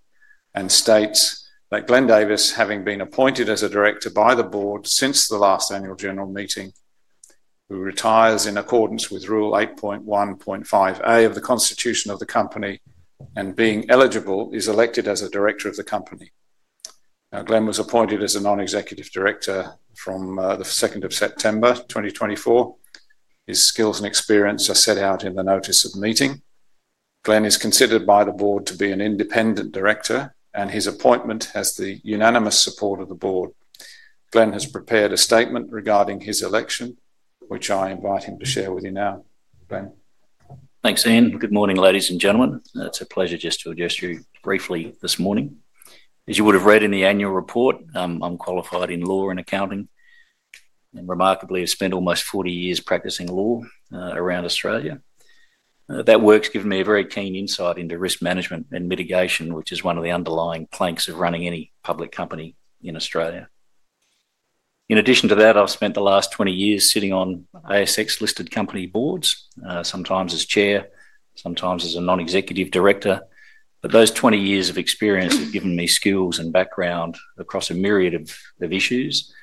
and states that Glenn Davis, having been appointed as a director by the board since the last annual general meeting, who retires in accordance with Rule 8.1.5A of the constitution of the company and being eligible, is elected as a director of the company. Now, Glenn was appointed as a non-executive director from the 2nd of September 2024. His skills and experience are set out in the notice of meeting. Glenn is considered by the board to be an independent director, and his appointment has the unanimous support of the board. Glenn has prepared a statement regarding his election, which I invite him to share with you now. Glenn. Thanks, Ian. Good morning, ladies and gentlemen. It's a pleasure just to address you briefly this morning. As you would have read in the annual report, I'm qualified in law and accounting. And remarkably, I spent almost 40 years practicing law around Australia. That work's given me a very keen insight into risk management and mitigation, which is one of the underlying planks of running any public company in Australia. In addition to that, I've spent the last 20 years sitting on ASX-listed company boards, sometimes as chair, sometimes as a non-executive director. But those 20 years of experience have given me skills and background across a myriad of issues,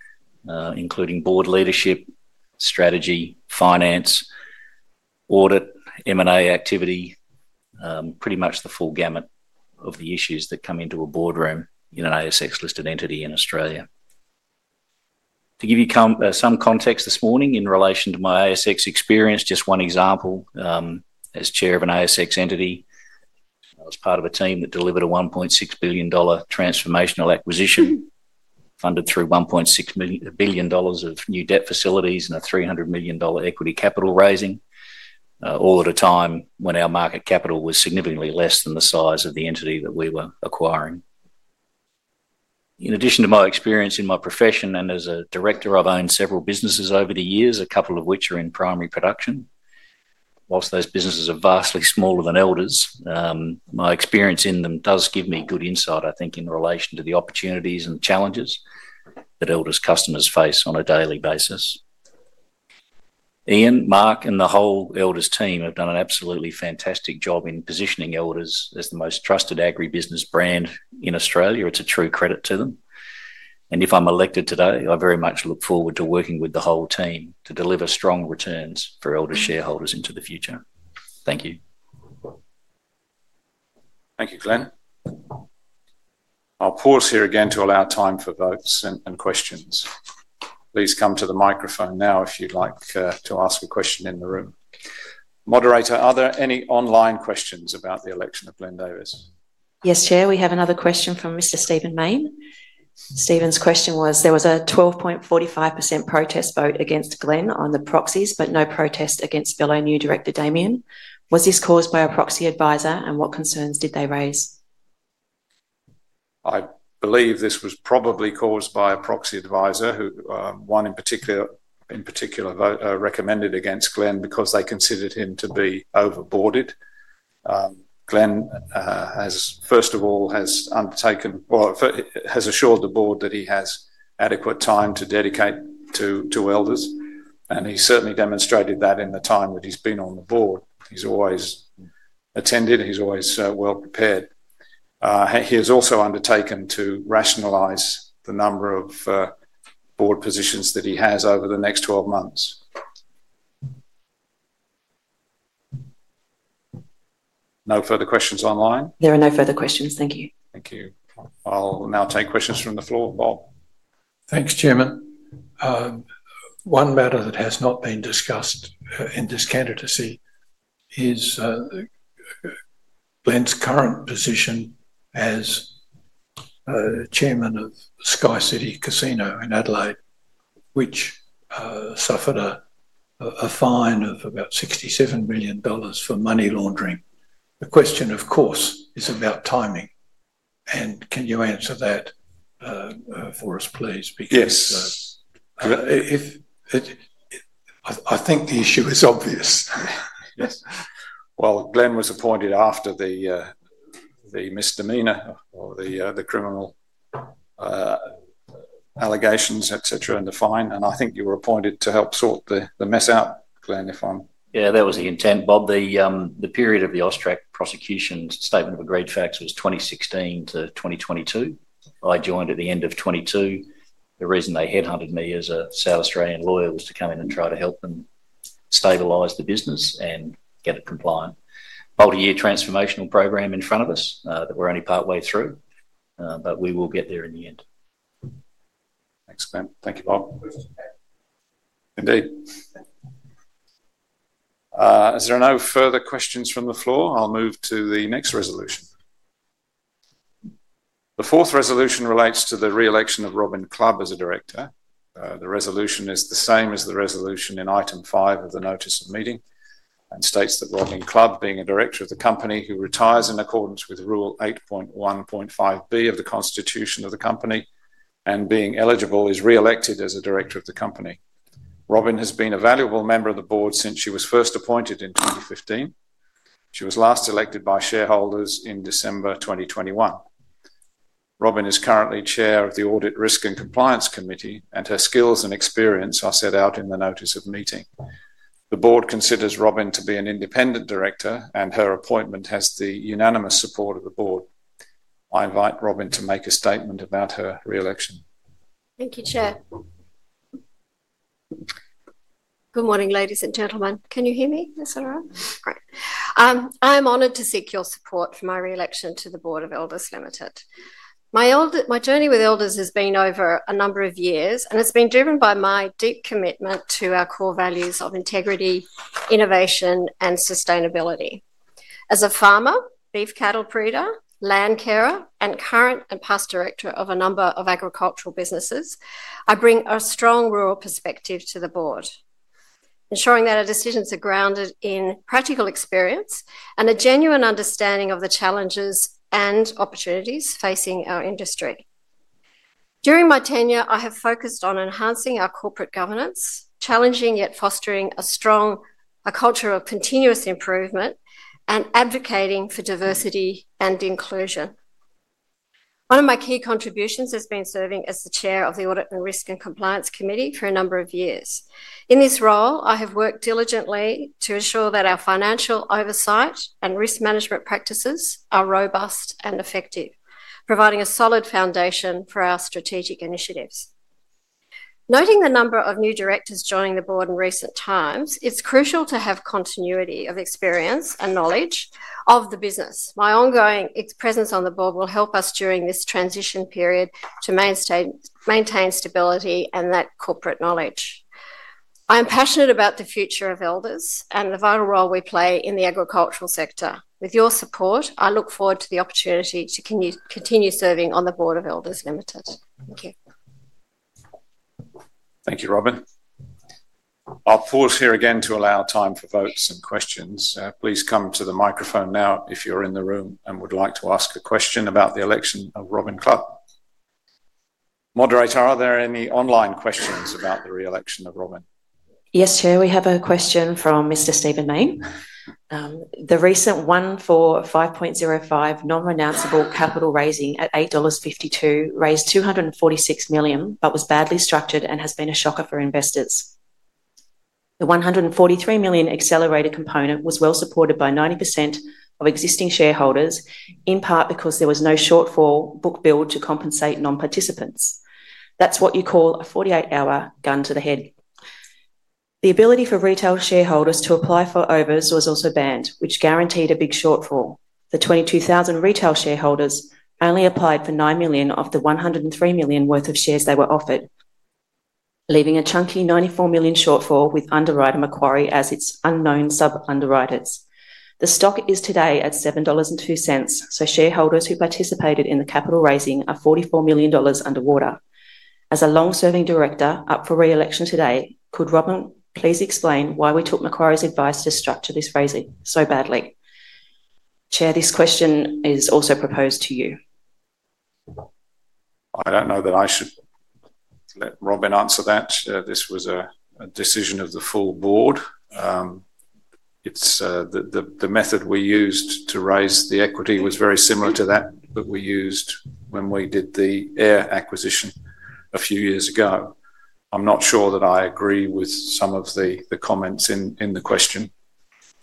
including board leadership, strategy, finance, audit, M&A activity, pretty much the full gamut of the issues that come into a boardroom in an ASX-listed entity in Australia. To give you some context this morning in relation to my ASX experience, just one example as chair of an ASX entity. I was part of a team that delivered a 1.6 billion dollar transformational acquisition funded through 1.6 billion dollars of new debt facilities and a 300 million dollar equity capital raising, all at a time when our market capital was significantly less than the size of the entity that we were acquiring. In addition to my experience in my profession and as a director, I've owned several businesses over the years, a couple of which are in primary production. While those businesses are vastly smaller than Elders, my experience in them does give me good insight, I think, in relation to the opportunities and challenges that Elders' customers face on a daily basis. Ian, Mark, and the whole Elders team have done an absolutely fantastic job in positioning Elders as the most trusted agribusiness brand in Australia. It's a true credit to them. And if I'm elected today, I very much look forward to working with the whole team to deliver strong returns for Elders' shareholders into the future. Thank you. Thank you, Glenn. I'll pause here again to allow time for votes and questions. Please come to the microphone now if you'd like to ask a question in the room. Moderator, are there any online questions about the election of Glenn Davis? Yes, Chair. We have another question from Mr. Stephen Mayne. Stephen's question was, there was a 12.45% protest vote against Glenn on the proxies, but no protest against fellow new director Damien. Was this caused by a proxy advisor, and what concerns did they raise? I believe this was probably caused by a proxy advisor who, one in particular, recommended against Glenn because they considered him to be overboarded. Glenn, first of all, has assured the board that he has adequate time to dedicate to Elders. And he certainly demonstrated that in the time that he's been on the board. He's always attended. He's always well prepared. He has also undertaken to rationalise the number of board positions that he has over the next 12 months. No further questions online? There are no further questions. Thank you. Thank you. I'll now take questions from the floor, Bob. Thanks, Chairman. One matter that has not been discussed in this candidacy is Glenn's current position as Chairman of SkyCity Casino in Adelaide, which suffered a fine of about 67 million dollars for money laundering. The question, of course, is about timing. And can you answer that for us, please? Yes. I think the issue is obvious. Well, Glenn was appointed after the misdemeanor or the criminal allegations, etc., and the fine. And I think you were appointed to help sort the mess out, Glenn, if I'm— Yeah, that was the intent, Bob. The period of the AUSTRAC prosecution statement of agreed facts was 2016-2022. I joined at the end of 2022. The reason they headhunted me as a South Australian lawyer was to come in and try to help them stabilize the business and get it compliant. Multi-year transformational program in front of us that we're only partway through, but we will get there in the end. Thanks, Glenn. Thank you, Bob. Indeed. Is there no further questions from the floor? I'll move to the next resolution. The fourth resolution relates to the re-election of Robyn Clubb as a director. The resolution is the same as the resolution in item five of the notice of meeting and states that Robyn Clubb, being a director of the company, who retires in accordance with Rule 8.1.5B of the constitution of the company and being eligible, is re-elected as a director of the company. Robyn has been a valuable member of the board since she was first appointed in 2015. She was last elected by shareholders in December 2021. Robyn is currently chair of the Audit, Risk and Compliance Committee, and her skills and experience are set out in the notice of meeting. The board considers Robyn to be an independent director, and her appointment has the unanimous support of the board. I invite Robyn to make a statement about her re-election. Thank you, Chair. Good morning, ladies and gentlemen. Can you hear me? (audio distortion) Great. I'm honored to seek your support for my re-election to the board of Elders Limited. My journey with Elders has been over a number of years, and it's been driven by my deep commitment to our core values of integrity, innovation, and sustainability. As a farmer, beef cattle breeder, land carer, and current and past director of a number of agricultural businesses, I bring a strong rural perspective to the board, ensuring that our decisions are grounded in practical experience and a genuine understanding of the challenges and opportunities facing our industry. During my tenure, I have focused on enhancing our corporate governance, challenging yet fostering a strong culture of continuous improvement, and advocating for diversity and inclusion. One of my key contributions has been serving as the chair of the Audit, Risk and Compliance Committee for a number of years. In this role, I have worked diligently to ensure that our financial oversight and risk management practices are robust and effective, providing a solid foundation for our strategic initiatives. Noting the number of new directors joining the board in recent times, it's crucial to have continuity of experience and knowledge of the business. My ongoing presence on the board will help us during this transition period to maintain stability and that corporate knowledge. I am passionate about the future of Elders and the vital role we play in the agricultural sector. With your support, I look forward to the opportunity to continue serving on the board of Elders Limited. Thank you. Thank you, Robyn. I'll pause here again to allow time for votes and questions. Please come to the microphone now if you're in the room and would like to ask a question about the election of Robyn Clubb. Moderator, are there any online questions about the re-election of Robyn? Yes, Chair. We have a question from Mr. Stephen Mayne. The recent 1 for 5.05 non-renounceable capital raising at 8.52 dollars raised 246 million, but was badly structured and has been a shocker for investors. The 143 million accelerator component was well supported by 90% of existing shareholders, in part because there was no shortfall bookbuild to compensate non-participants. That's what you call a 48-hour gun to the head. The ability for retail shareholders to apply for overs was also banned, which guaranteed a big shortfall. The 22,000 retail shareholders only applied for 9 million of the 103 million worth of shares they were offered, leaving a chunky 94 million shortfall with underwriter Macquarie as its unknown sub-underwriters. The stock is today at 7.02 dollars, so shareholders who participated in the capital raising are 44 million dollars underwater. As a long-serving director up for re-election today, could Robyn please explain why we took Macquarie's advice to structure this raising so badly? Chair, this question is also proposed to you. I don't know that I should let Robyn answer that. This was a decision of the full board. The method we used to raise the equity was very similar to that that we used when we did the AIRR acquisition a few years ago. I'm not sure that I agree with some of the comments in the question.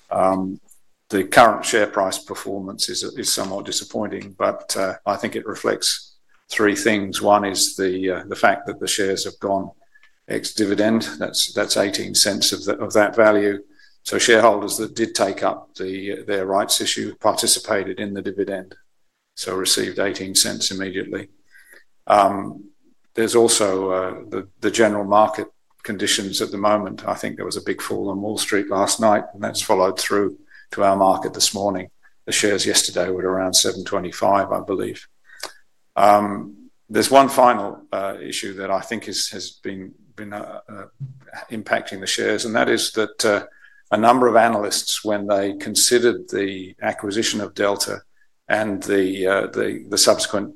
The current share price performance is somewhat disappointing, but I think it reflects three things. One is the fact that the shares have gone ex-dividend. That's 0.18 of that value. So shareholders that did take up their rights issue participated in the dividend, so received 0.18 immediately. There's also the general market conditions at the moment. I think there was a big fall on Wall Street last night, and that's followed through to our market this morning. The shares yesterday were around 7.25, I believe. There's one final issue that I think has been impacting the shares, and that is that a number of analysts, when they considered the acquisition of Delta and the subsequent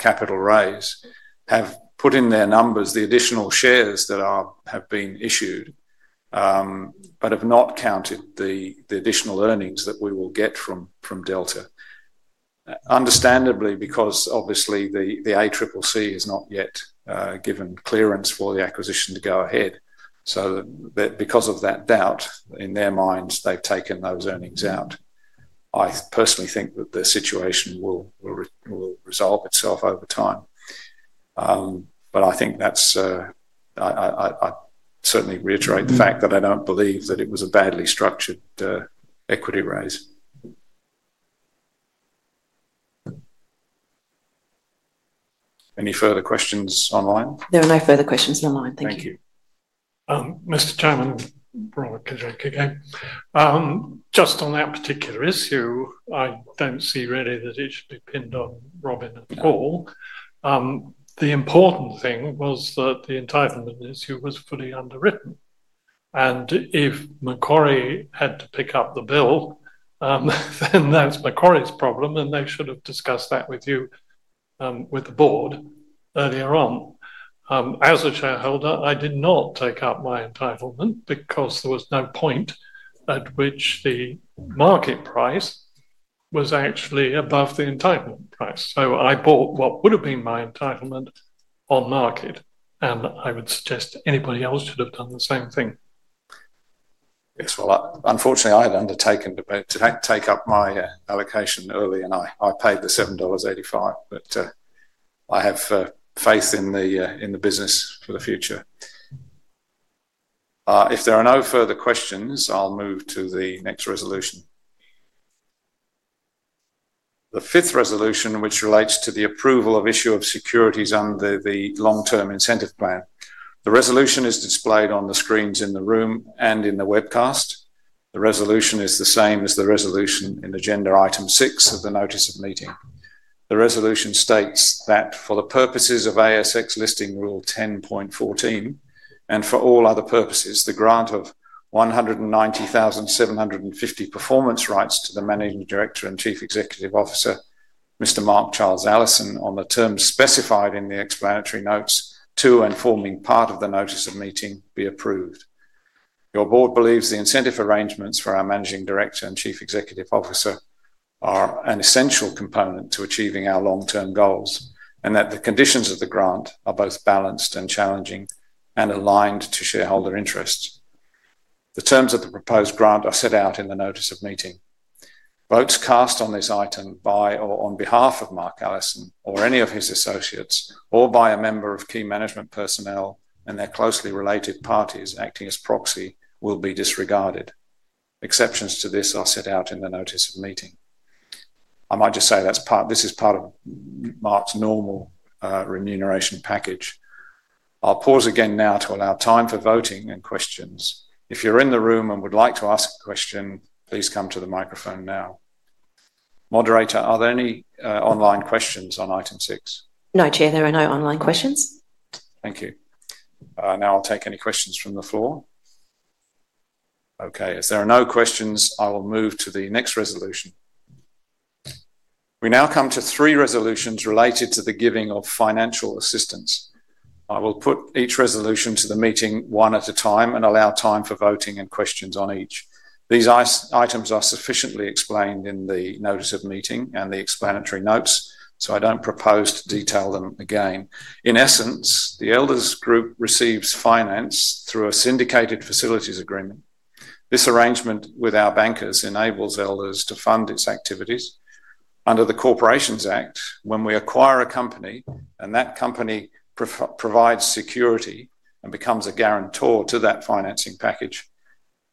capital raise, have put in their numbers the additional shares that have been issued but have not counted the additional earnings that we will get from Delta. Understandably, because obviously the ACCC has not yet given clearance for the acquisition to go ahead. So because of that doubt, in their minds, they've taken those earnings out. I personally think that the situation will resolve itself over time. But I think that's, I certainly reiterate the fact that I don't believe that it was a badly structured equity raise. Any further questions online? There are no further questions online. Thank you. Thank you. Mr. Chairman, Robert Kenrick again. Just on that particular issue, I don't see really that it should be pinned on Robyn at all. The important thing was that the entitlement issue was fully underwritten. And if Macquarie had to pick up the bill, then that's Macquarie's problem, and they should have discussed that with you, with the board, earlier on. As a shareholder, I did not take up my entitlement because there was no point at which the market price was actually above the entitlement price. So I bought what would have been my entitlement on market, and I would suggest anybody else should have done the same thing. Yes. Well, unfortunately, I had undertaken to take up my allocation early, and I paid the 7.85 dollars, but I have faith in the business for the future. If there are no further questions, I'll move to the next resolution. The fifth resolution, which relates to the approval of issue of securities under the long-term incentive plan. The resolution is displayed on the screens in the room and in the webcast. The resolution is the same as the resolution in agenda item six of the notice of meeting. The resolution states that for the purposes of ASX listing rule 10.14 and for all other purposes, the grant of 190,750 performance rights to the Managing Director and Chief Executive Officer, Mr. Mark Charles Allison, on the terms specified in the explanatory notes, to and forming part of the notice of meeting, be approved. Your board believes the incentive arrangements for our Managing Director and Chief Executive Officer are an essential component to achieving our long-term goals and that the conditions of the grant are both balanced and challenging and aligned to shareholder interests. The terms of the proposed grant are set out in the notice of meeting. Votes cast on this item by or on behalf of Mark Allison or any of his associates or by a member of key management personnel and their closely related parties acting as proxy will be disregarded. Exceptions to this are set out in the notice of meeting. I might just say this is part of Mark's normal remuneration package. I'll pause again now to allow time for voting and questions. If you're in the room and would like to ask a question, please come to the microphone now. Moderator, are there any online questions on item six? No, Chair. There are no online questions. Thank you. Now I'll take any questions from the floor. Okay. If there are no questions, I will move to the next resolution. We now come to three resolutions related to the giving of financial assistance. I will put each resolution to the meeting one at a time and allow time for voting and questions on each. These items are sufficiently explained in the notice of meeting and the explanatory notes, so I don't propose to detail them again. In essence, the Elders group receives finance through a syndicated facilities agreement. This arrangement with our bankers enables Elders to fund its activities. Under the Corporations Act, when we acquire a company and that company provides security and becomes a guarantor to that financing package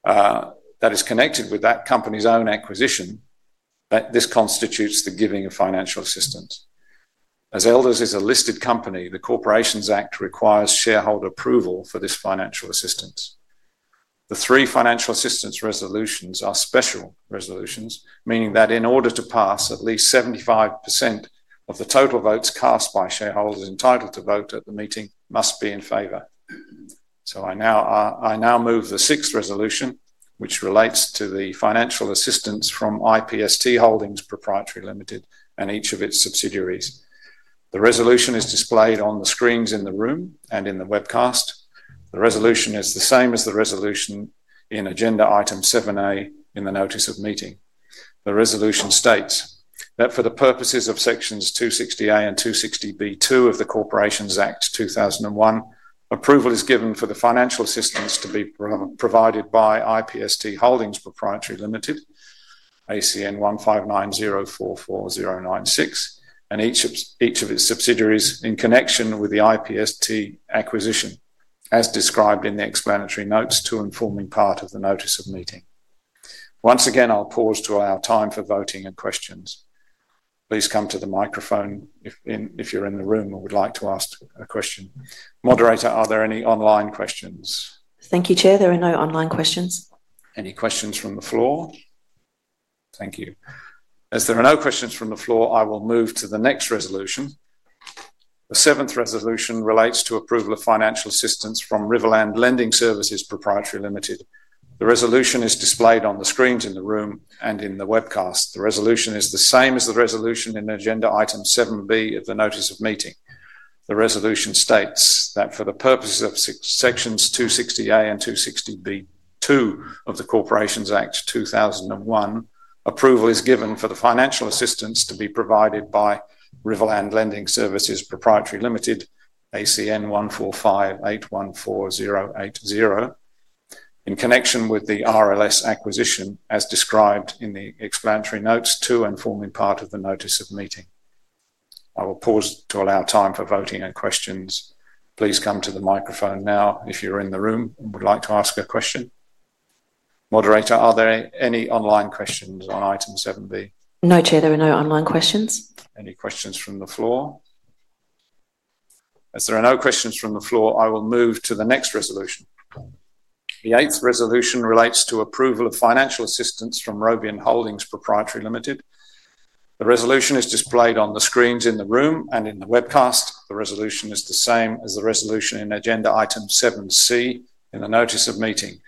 that is connected with that company's own acquisition, this constitutes the giving of financial assistance. As Elders is a listed company, the Corporations Act requires shareholder approval for this financial assistance. The three financial assistance resolutions are special resolutions, meaning that in order to pass, at least 75% of the total votes cast by shareholders entitled to vote at the meeting must be in favour. So I now move the sixth resolution, which relates to the financial assistance from IPST Holdings Pty Ltd and each of its subsidiaries. The resolution is displayed on the screens in the room and in the webcast. The resolution is the same as the resolution in agenda item 7A in the notice of meeting. The resolution states that for the purposes of sections 260A and 260B2 of the Corporations Act 2001, approval is given for the financial assistance to be provided by IPST Holdings Pty Ltd, ACN 159044096, and each of its subsidiaries in connection with the IPST acquisition, as described in the explanatory notes to and forming part of the notice of meeting. Once again, I'll pause to allow time for voting and questions. Please come to the microphone if you're in the room and would like to ask a question. Moderator, are there any online questions? Thank you, Chair. There are no online questions. Any questions from the floor? Thank you. As there are no questions from the floor, I will move to the next resolution. The seventh resolution relates to approval of financial assistance from Riverland Lending Services Pty Ltd. The resolution is displayed on the screens in the room and in the webcast. The resolution is the same as the resolution in agenda item 7B of the notice of meeting. The resolution states that for the purposes of sections 260A and 260B2 of the Corporations Act 2001, approval is given for the financial assistance to be provided by Riverland Lending Services Pty Ltd, ACN 145814080, in connection with the RLS acquisition as described in the explanatory notes to and forming part of the notice of meeting. I will pause to allow time for voting and questions. Please come to the microphone now if you're in the room and would like to ask a question. Moderator, are there any online questions on item 7B? No, Chair. There are no online questions. Any questions from the floor? As there are no questions from the floor, I will move to the next resolution. The eighth resolution relates to approval of financial assistance from Robin Holdings Pty Ltd. The resolution is displayed on the screens in the room and in the webcast. The resolution is the same as the resolution in agenda item 7C in the notice of meeting.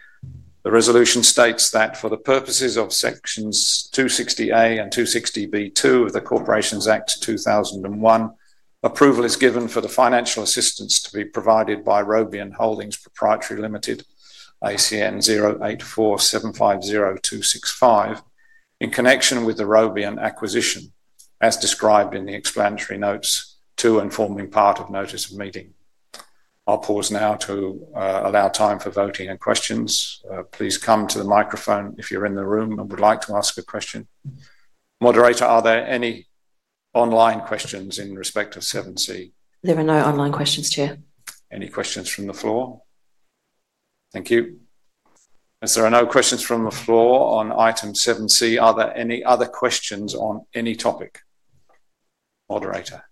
The resolution states that for the purposes of sections 260A and 260B(2) of the Corporations Act 2001, approval is given for the financial assistance to be provided by Robin Holdings Pty Ltd, ACN 084 750 265, in connection with the Delta Agribusiness acquisition as described in the explanatory notes to and forming part of the notice of meeting. I'll pause now to allow time for voting and questions. Please come to the microphone if you're in the room and would like to ask a question. Moderator, are there any online questions in respect of 7C? There are no online questions, Chair. Any questions from the floor? Thank you. As there are no questions from the floor on item 7C, are there any other questions on any topic? Moderator.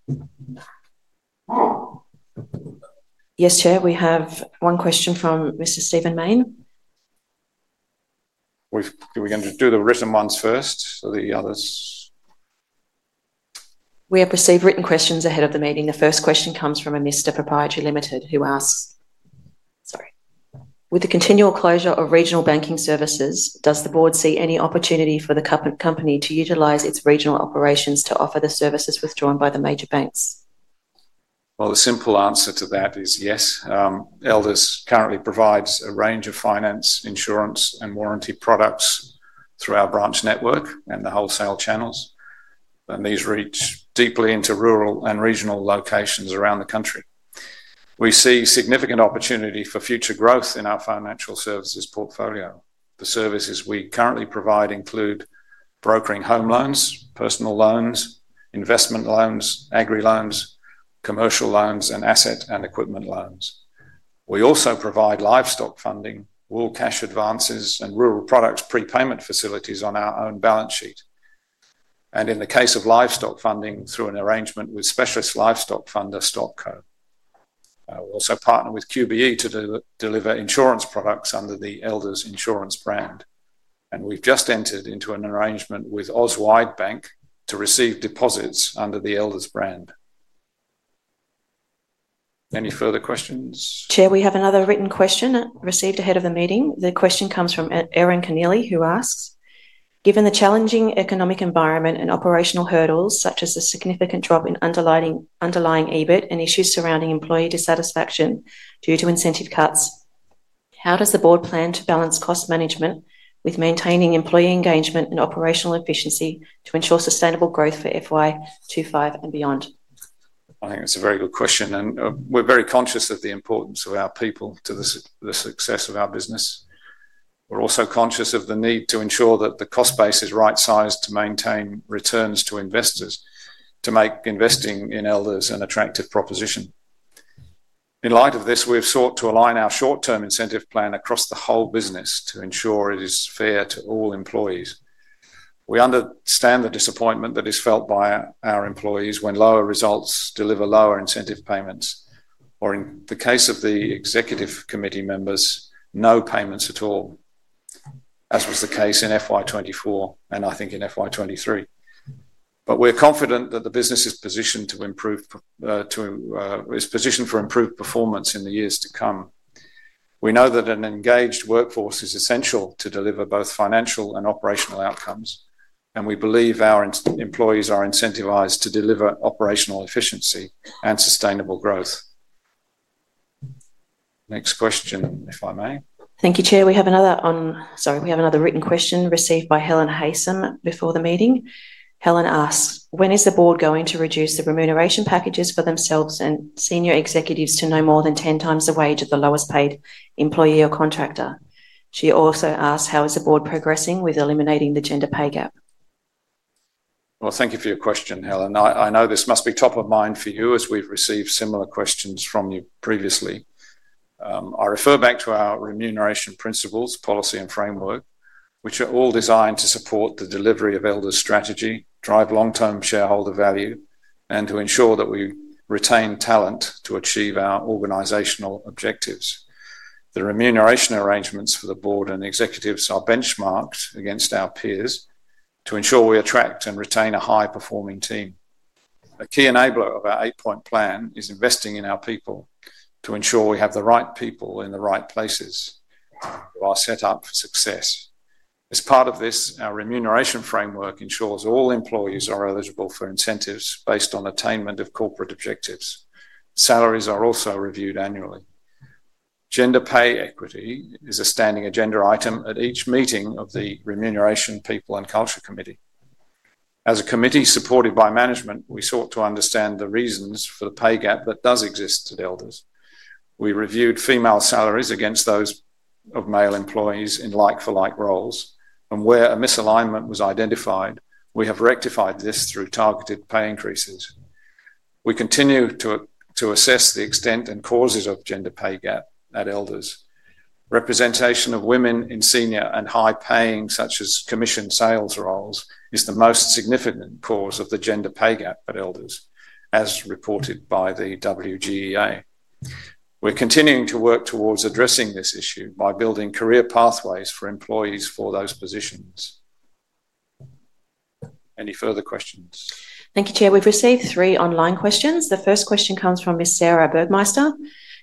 Yes, Chair. We have one question from Mr. Stephen Mayne. Are we going to do the written ones first or the others? We have received written questions ahead of the meeting. The first question comes from a Mr. Proprietary Limited who asks, sorry. With the continual closure of regional banking services, does the board see any opportunity for the company to utilize its regional operations to offer the services withdrawn by the major banks? Well, the simple answer to that is yes. Elders currently provides a range of finance, insurance, and warranty products through our branch network and the wholesale channels, and these reach deeply into rural and regional locations around the country. We see significant opportunity for future growth in our financial services portfolio. The services we currently provide include brokering home loans, personal loans, investment loans, agri loans, commercial loans, and asset and equipment loans. We also provide livestock funding, wool cash advances, and rural products prepayment facilities on our own balance sheet, and in the case of livestock funding through an arrangement with Specialist Livestock Funder, StockCo. We also partner with QBE to deliver insurance products under the Elders Insurance brand, and we've just entered into an arrangement with Auswide Bank to receive deposits under the Elders brand. Any further questions? Chair, we have another written question received ahead of the meeting. The question comes from Erin Keneally who asks, "Given the challenging economic environment and operational hurdles such as the significant drop in Underlying EBIT and issues surrounding employee dissatisfaction due to incentive cuts, how does the board plan to balance cost management with maintaining employee engagement and operational efficiency to ensure sustainable growth for FY2025 and beyond?" I think it's a very good question, and we're very conscious of the importance of our people to the success of our business. We're also conscious of the need to ensure that the cost base is right-sized to maintain returns to investors to make investing in Elders an attractive proposition. In light of this, we have sought to align our short-term incentive plan across the whole business to ensure it is fair to all employees. We understand the disappointment that is felt by our employees when lower results deliver lower incentive payments, or in the case of the executive committee members, no payments at all, as was the case in FY2024 and I think in FY2023. But we're confident that the business is positioned to improve performance in the years to come. We know that an engaged workforce is essential to deliver both financial and operational outcomes, and we believe our employees are incentivized to deliver operational efficiency and sustainable growth. Next question, if I may. Thank you, Chair. We have another written question received by Helen Haysom before the meeting. Helen asks, "When is the board going to reduce the remuneration packages for themselves and senior executives to no more than 10 times the wage of the lowest-paid employee or contractor?" She also asks, "How is the board progressing with eliminating the gender pay gap?" Well, thank you for your question, Helen. I know this must be top of mind for you as we've received similar questions from you previously. I refer back to our remuneration principles, policy, and framework, which are all designed to support the delivery of Elders' strategy, drive long-term shareholder value, and to ensure that we retain talent to achieve our organizational objectives. The remuneration arrangements for the board and executives are benchmarked against our peers to ensure we attract and retain a high-performing team. A key enabler of our Eight-Point Plan is investing in our people to ensure we have the right people in the right places for our setup for success. As part of this, our remuneration framework ensures all employees are eligible for incentives based on attainment of corporate objectives. Salaries are also reviewed annually. Gender pay equity is a standing agenda item at each meeting of the Remuneration, People and Culture Committee. As a committee supported by management, we sought to understand the reasons for the pay gap that does exist at Elders. We reviewed female salaries against those of male employees in like-for-like roles, and where a misalignment was identified, we have rectified this through targeted pay increases. We continue to assess the extent and causes of gender pay gap at Elders. Representation of women in senior and high-paying, such as commission sales roles, is the most significant cause of the gender pay gap at Elders, as reported by the WGEA. We're continuing to work towards addressing this issue by building career pathways for employees for those positions. Any further questions? Thank you, Chair. We've received three online questions. The first question comes from Ms. Sarah Bergmeister.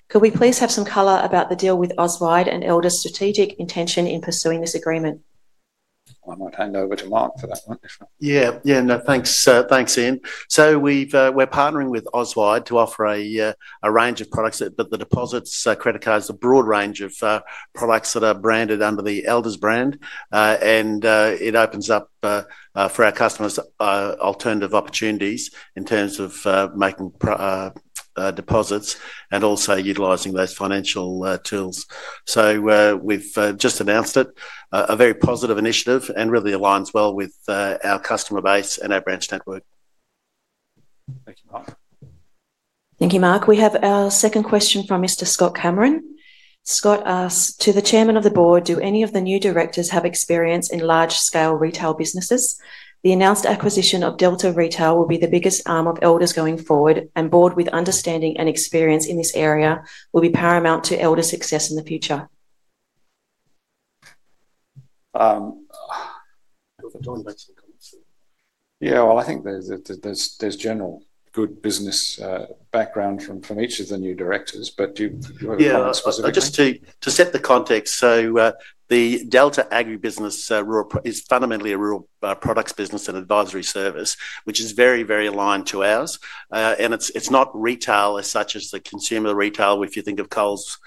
"Could we please have some color about the deal with Auswide and Elders' strategic intention in pursuing this agreement?" I might hand over to Mark for that one, if I may. Yeah. Yeah. No, thanks, Ian. So we're partnering with Auswide to offer a range of products, but the deposits, credit cards, a broad range of products that are branded under the Elders brand, and it opens up for our customers alternative opportunities in terms of making deposits and also utilizing those financial tools. So we've just announced it, a very positive initiative and really aligns well with our customer base and our branch network. Thank you, Mark. Thank you, Mark. We have our second question from Mr. Scott Cameron. Scott asks, "To the Chairman of the board, do any of the new directors have experience in large-scale retail businesses? The announced acquisition of Delta Agribusiness will be the biggest arm of Elders going forward, and a board with understanding and experience in this area will be paramount to Elders' success in the future." Yeah. Well, I think there's general good business background from each of the new directors, but do you have a specific? Yeah. Just to set the context, so the Delta Agribusiness is fundamentally a rural products business and advisory service, which is very, very aligned to ours. And it's not retail as such as the consumer retail if you think of Coles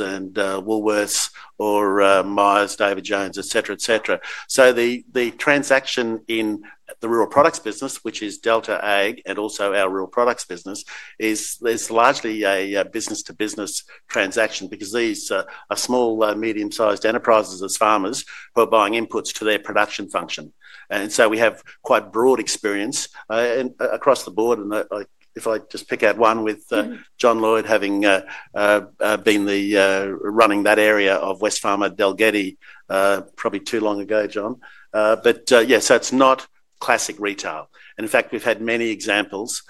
and Woolworths or Myer, David Jones, etc., etc. So the transaction in the rural products business, which is Delta Ag and also our rural products business, is largely a business-to-business transaction because these are small, medium-sized enterprises as farmers who are buying inputs to their production function. And so we have quite broad experience across the board. And if I just pick out one with John Lloyd having been running that area of Wesfarmers, Dalgety, probably too long ago, John. But yeah, so it's not classic retail. And in fact, we've had many examples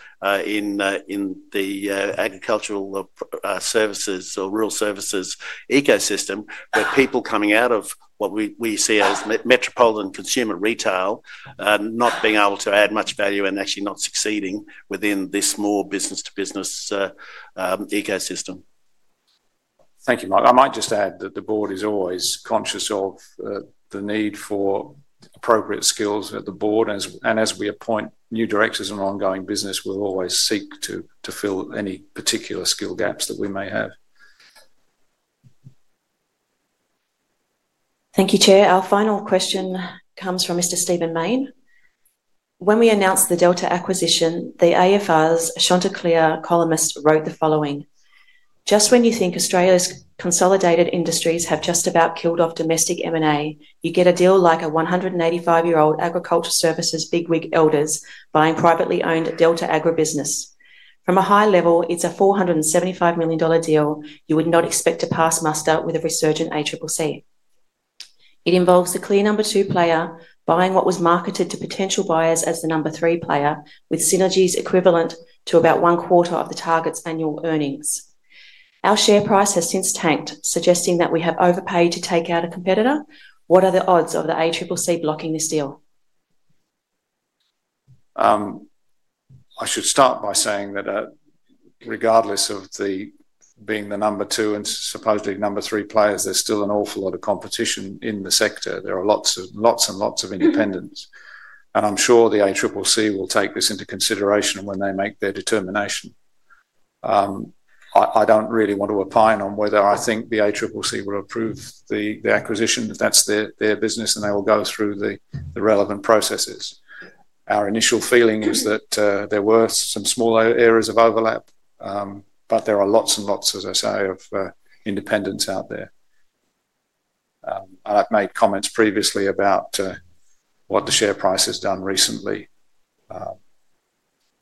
in the agricultural services or rural services ecosystem where people coming out of what we see as metropolitan consumer retail are not being able to add much value and actually not succeeding within this more business-to-business ecosystem. Thank you, Mark. I might just add that the board is always conscious of the need for appropriate skills at the board. And as we appoint new directors and ongoing business, we'll always seek to fill any particular skill gaps that we may have. Thank you, Chair. Our final question comes from Mr. Stephen Mayne. When we announced the Delta acquisition, the AFR's Chanticleer columnist wrote the following, "Just when you think Australia's consolidated industries have just about killed off domestic M&A, you get a deal like a 185-year-old agriculture services bigwig, Elders, buying privately owned Delta Agribusiness. From a high level, it's a 475 million dollar deal you would not expect to pass muster with a resurgent ACCC. It involves the clear number two player buying what was marketed to potential buyers as the number three player with synergies equivalent to about one quarter of the target's annual earnings. Our share price has since tanked, suggesting that we have overpaid to take out a competitor. What are the odds of the ACCC blocking this deal?" I should start by saying that regardless of being the number two and supposedly number three players, there's still an awful lot of competition in the sector. There are lots and lots of independents. And I'm sure the ACCC will take this into consideration when they make their determination. I don't really want to opine on whether I think the ACCC will approve the acquisition. If that's their business, and they will go through the relevant processes. Our initial feeling is that there were some small areas of overlap, but there are lots and lots, as I say, of independents out there. And I've made comments previously about what the share price has done recently.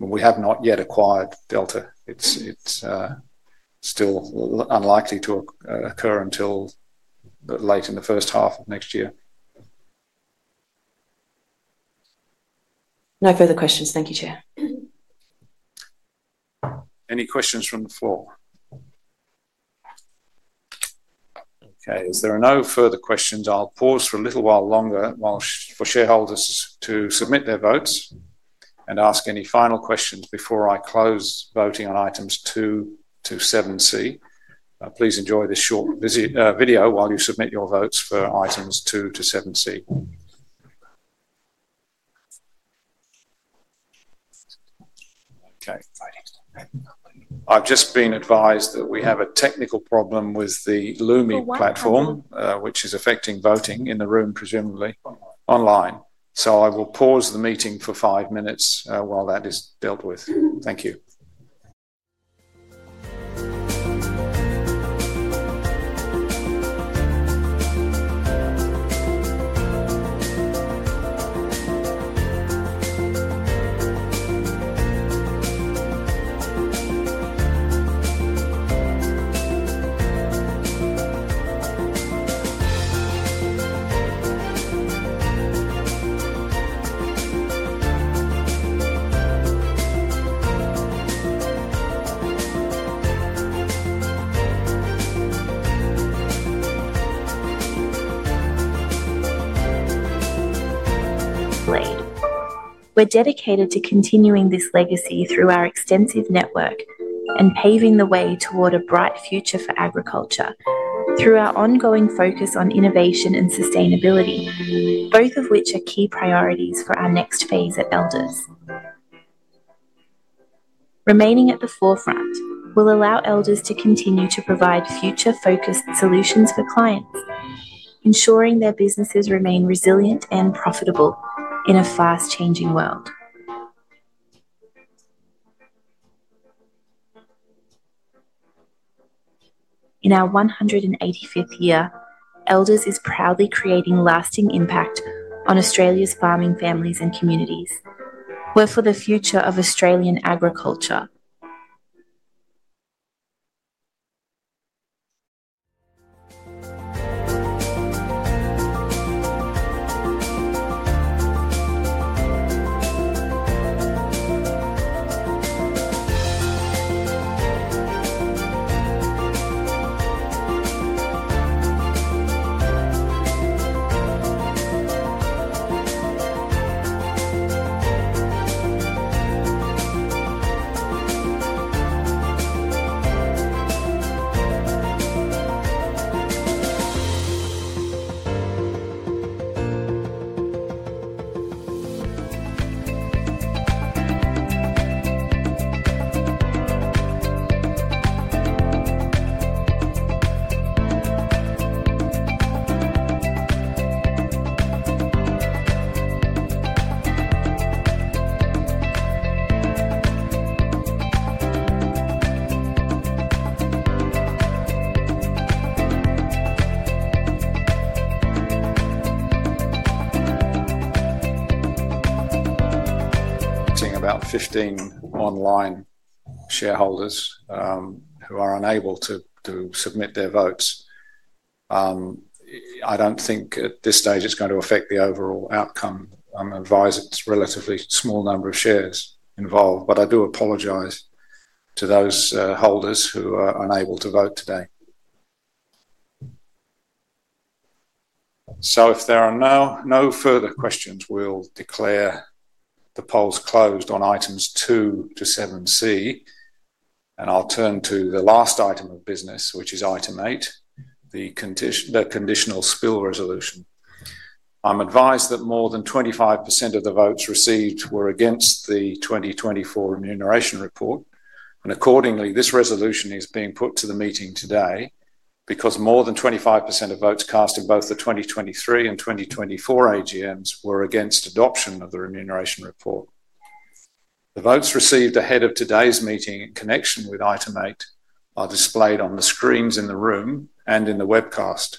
We have not yet acquired Delta. It's still unlikely to occur until late in the first half of next year. No further questions. Thank you, Chair. Any questions from the floor? Okay. If there are no further questions, I'll pause for a little while longer for shareholders to submit their votes and ask any final questions before I close voting on items 2 to 7C. Please enjoy this short video while you submit your votes for items 2 to 7C. Okay. I've just been advised that we have a technical problem with the Lumi platform, which is affecting voting in the room, presumably online. So I will pause the meeting for five minutes while that is dealt with. Thank you. We're dedicated to continuing this legacy through our extensive network and paving the way toward a bright future for agriculture through our ongoing focus on innovation and sustainability, both of which are key priorities for our next phase at Elders. Remaining at the forefront will allow Elders to continue to provide future-focused solutions for clients, ensuring their businesses remain resilient and profitable in a fast-changing world. In our 185th year, Elders is proudly creating lasting impact on Australia's farming families and communities. We're for the future of Australian agriculture. Seeing about 15 online shareholders who are unable to submit their votes, I don't think at this stage it's going to affect the overall outcome. I'm advised it's a relatively small number of shares involved, but I do apologize to those holders who are unable to vote today. So if there are no further questions, we'll declare the polls closed on items 2 to 7C, and I'll turn to the last item of business, which is item 8, the conditional spill resolution. I'm advised that more than 25% of the votes received were against the 2024 remuneration report, and accordingly, this resolution is being put to the meeting today because more than 25% of votes cast in both the 2023 and 2024 AGMs were against adoption of the remuneration report. The votes received ahead of today's meeting in connection with item 8 are displayed on the screens in the room and in the webcast.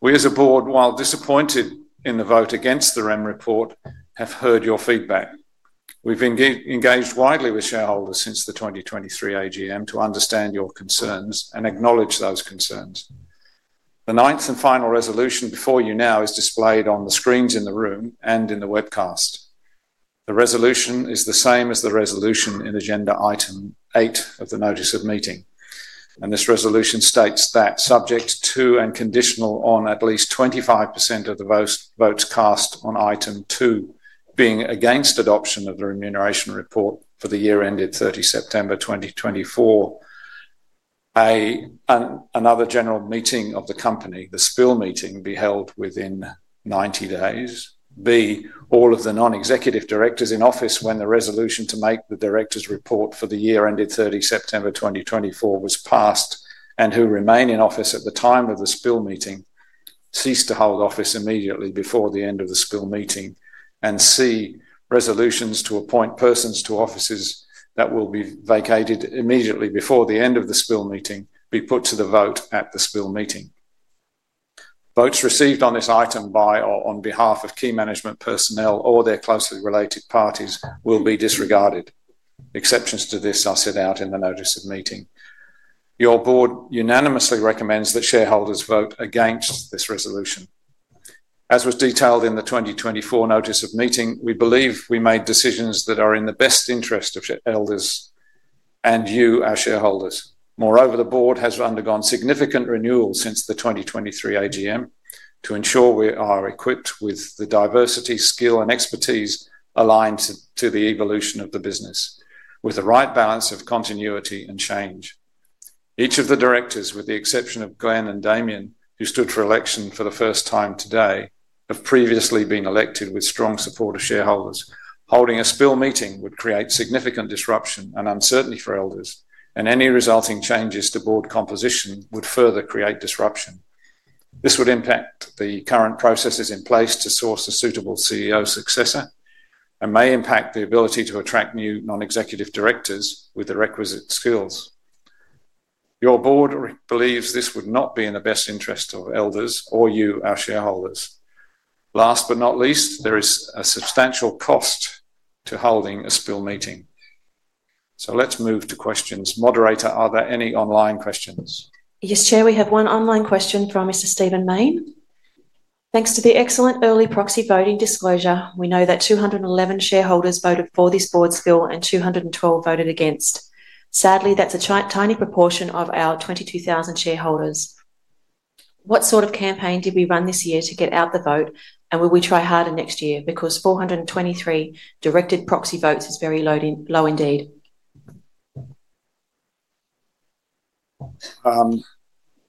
We, as a board, while disappointed in the vote against the Rem report, have heard your feedback. We've engaged widely with shareholders since the 2023 AGM to understand your concerns and acknowledge those concerns. The ninth and final resolution before you now is displayed on the screens in the room and in the webcast. The resolution is the same as the resolution in agenda item 8 of the notice of meeting. This resolution states that subject to and conditional on at least 25% of the votes cast on item 2 being against adoption of the remuneration report for the year ended 30 September 2024, A, another general meeting of the company, the spill meeting, be held within 90 days. B, all of the non-executive directors in office when the resolution to make the directors' report for the year ended 30 September 2024 was passed and who remain in office at the time of the spill meeting cease to hold office immediately before the end of the spill meeting. And C, resolutions to appoint persons to offices that will be vacated immediately before the end of the spill meeting be put to the vote at the spill meeting. Votes received on this item by or on behalf of key management personnel or their closely related parties will be disregarded. Exceptions to this are set out in the notice of meeting. Your board unanimously recommends that shareholders vote against this resolution. As was detailed in the 2024 notice of meeting, we believe we made decisions that are in the best interest of Elders and you, our shareholders. Moreover, the board has undergone significant renewal since the 2023 AGM to ensure we are equipped with the diversity, skill, and expertise aligned to the evolution of the business with the right balance of continuity and change. Each of the directors, with the exception of Glenn and Damien, who stood for election for the first time today, have previously been elected with strong support of shareholders. Holding a spill meeting would create significant disruption and uncertainty for Elders, and any resulting changes to board composition would further create disruption. This would impact the current processes in place to source a suitable CEO successor and may impact the ability to attract new non-executive directors with the requisite skills. Your board believes this would not be in the best interest of Elders or you, our shareholders. Last but not least, there is a substantial cost to holding a spill meeting. So let's move to questions. Moderator, are there any online questions? Yes, Chair, we have one online question from Mr. Stephen Mayne. Thanks to the excellent early proxy voting disclosure, we know that 211 shareholders voted for this board's spill and 212 voted against. Sadly, that's a tiny proportion of our 22,000 shareholders. What sort of campaign did we run this year to get out the vote, and will we try harder next year? Because 423 directed proxy votes is very low indeed.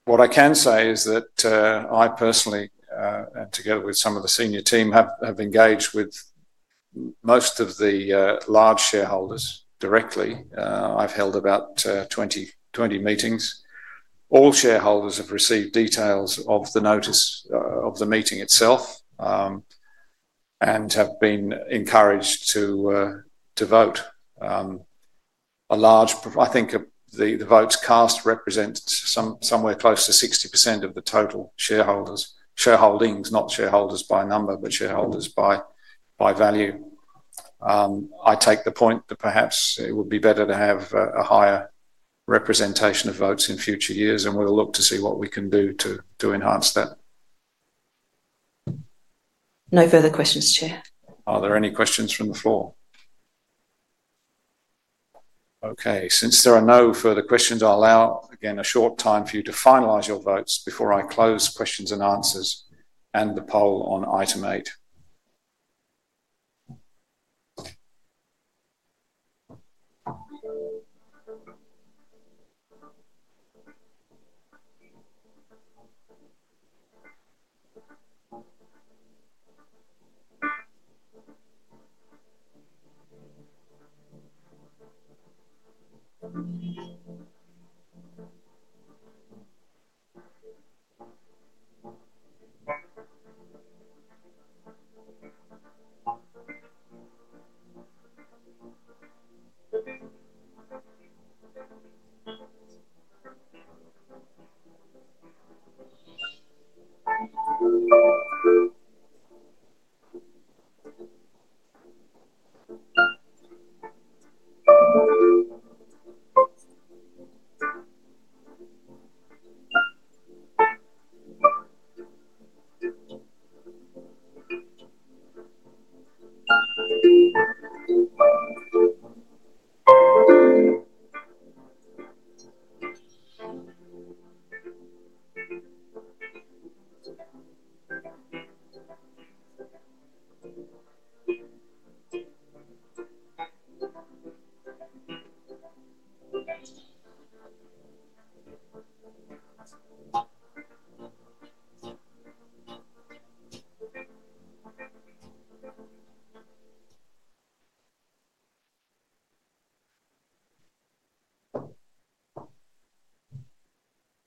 What I can say is that I personally, together with some of the senior team, have engaged with most of the large shareholders directly. I've held about 20 meetings. All shareholders have received details of the notice of the meeting itself and have been encouraged to vote. I think the votes cast represent somewhere close to 60% of the total shareholdings, not shareholders by number, but shareholders by value. I take the point that perhaps it would be better to have a higher representation of votes in future years, and we'll look to see what we can do to enhance that. No further questions, Chair. Are there any questions from the floor? Okay. Since there are no further questions, I'll allow, again, a short time for you to finalize your votes before I close questions and answers and the poll on item 8.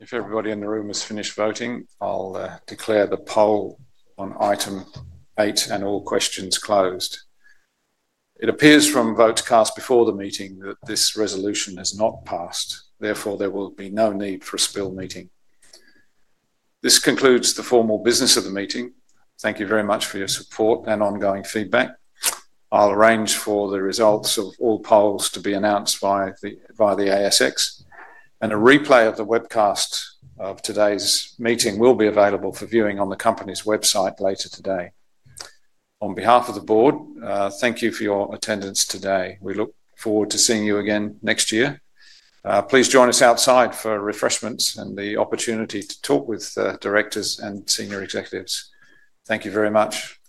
If everybody in the room has finished voting, I'll declare the poll on item 8 and all questions closed. It appears from votes cast before the meeting that this resolution has not passed. Therefore, there will be no need for a spill meeting. This concludes the formal business of the meeting. Thank you very much for your support and ongoing feedback. I'll arrange for the results of all polls to be announced by the ASX, and a replay of the webcast of today's meeting will be available for viewing on the company's website later today. On behalf of the board, thank you for your attendance today. We look forward to seeing you again next year. Please join us outside for refreshments and the opportunity to talk with the directors and senior executives. Thank you very much.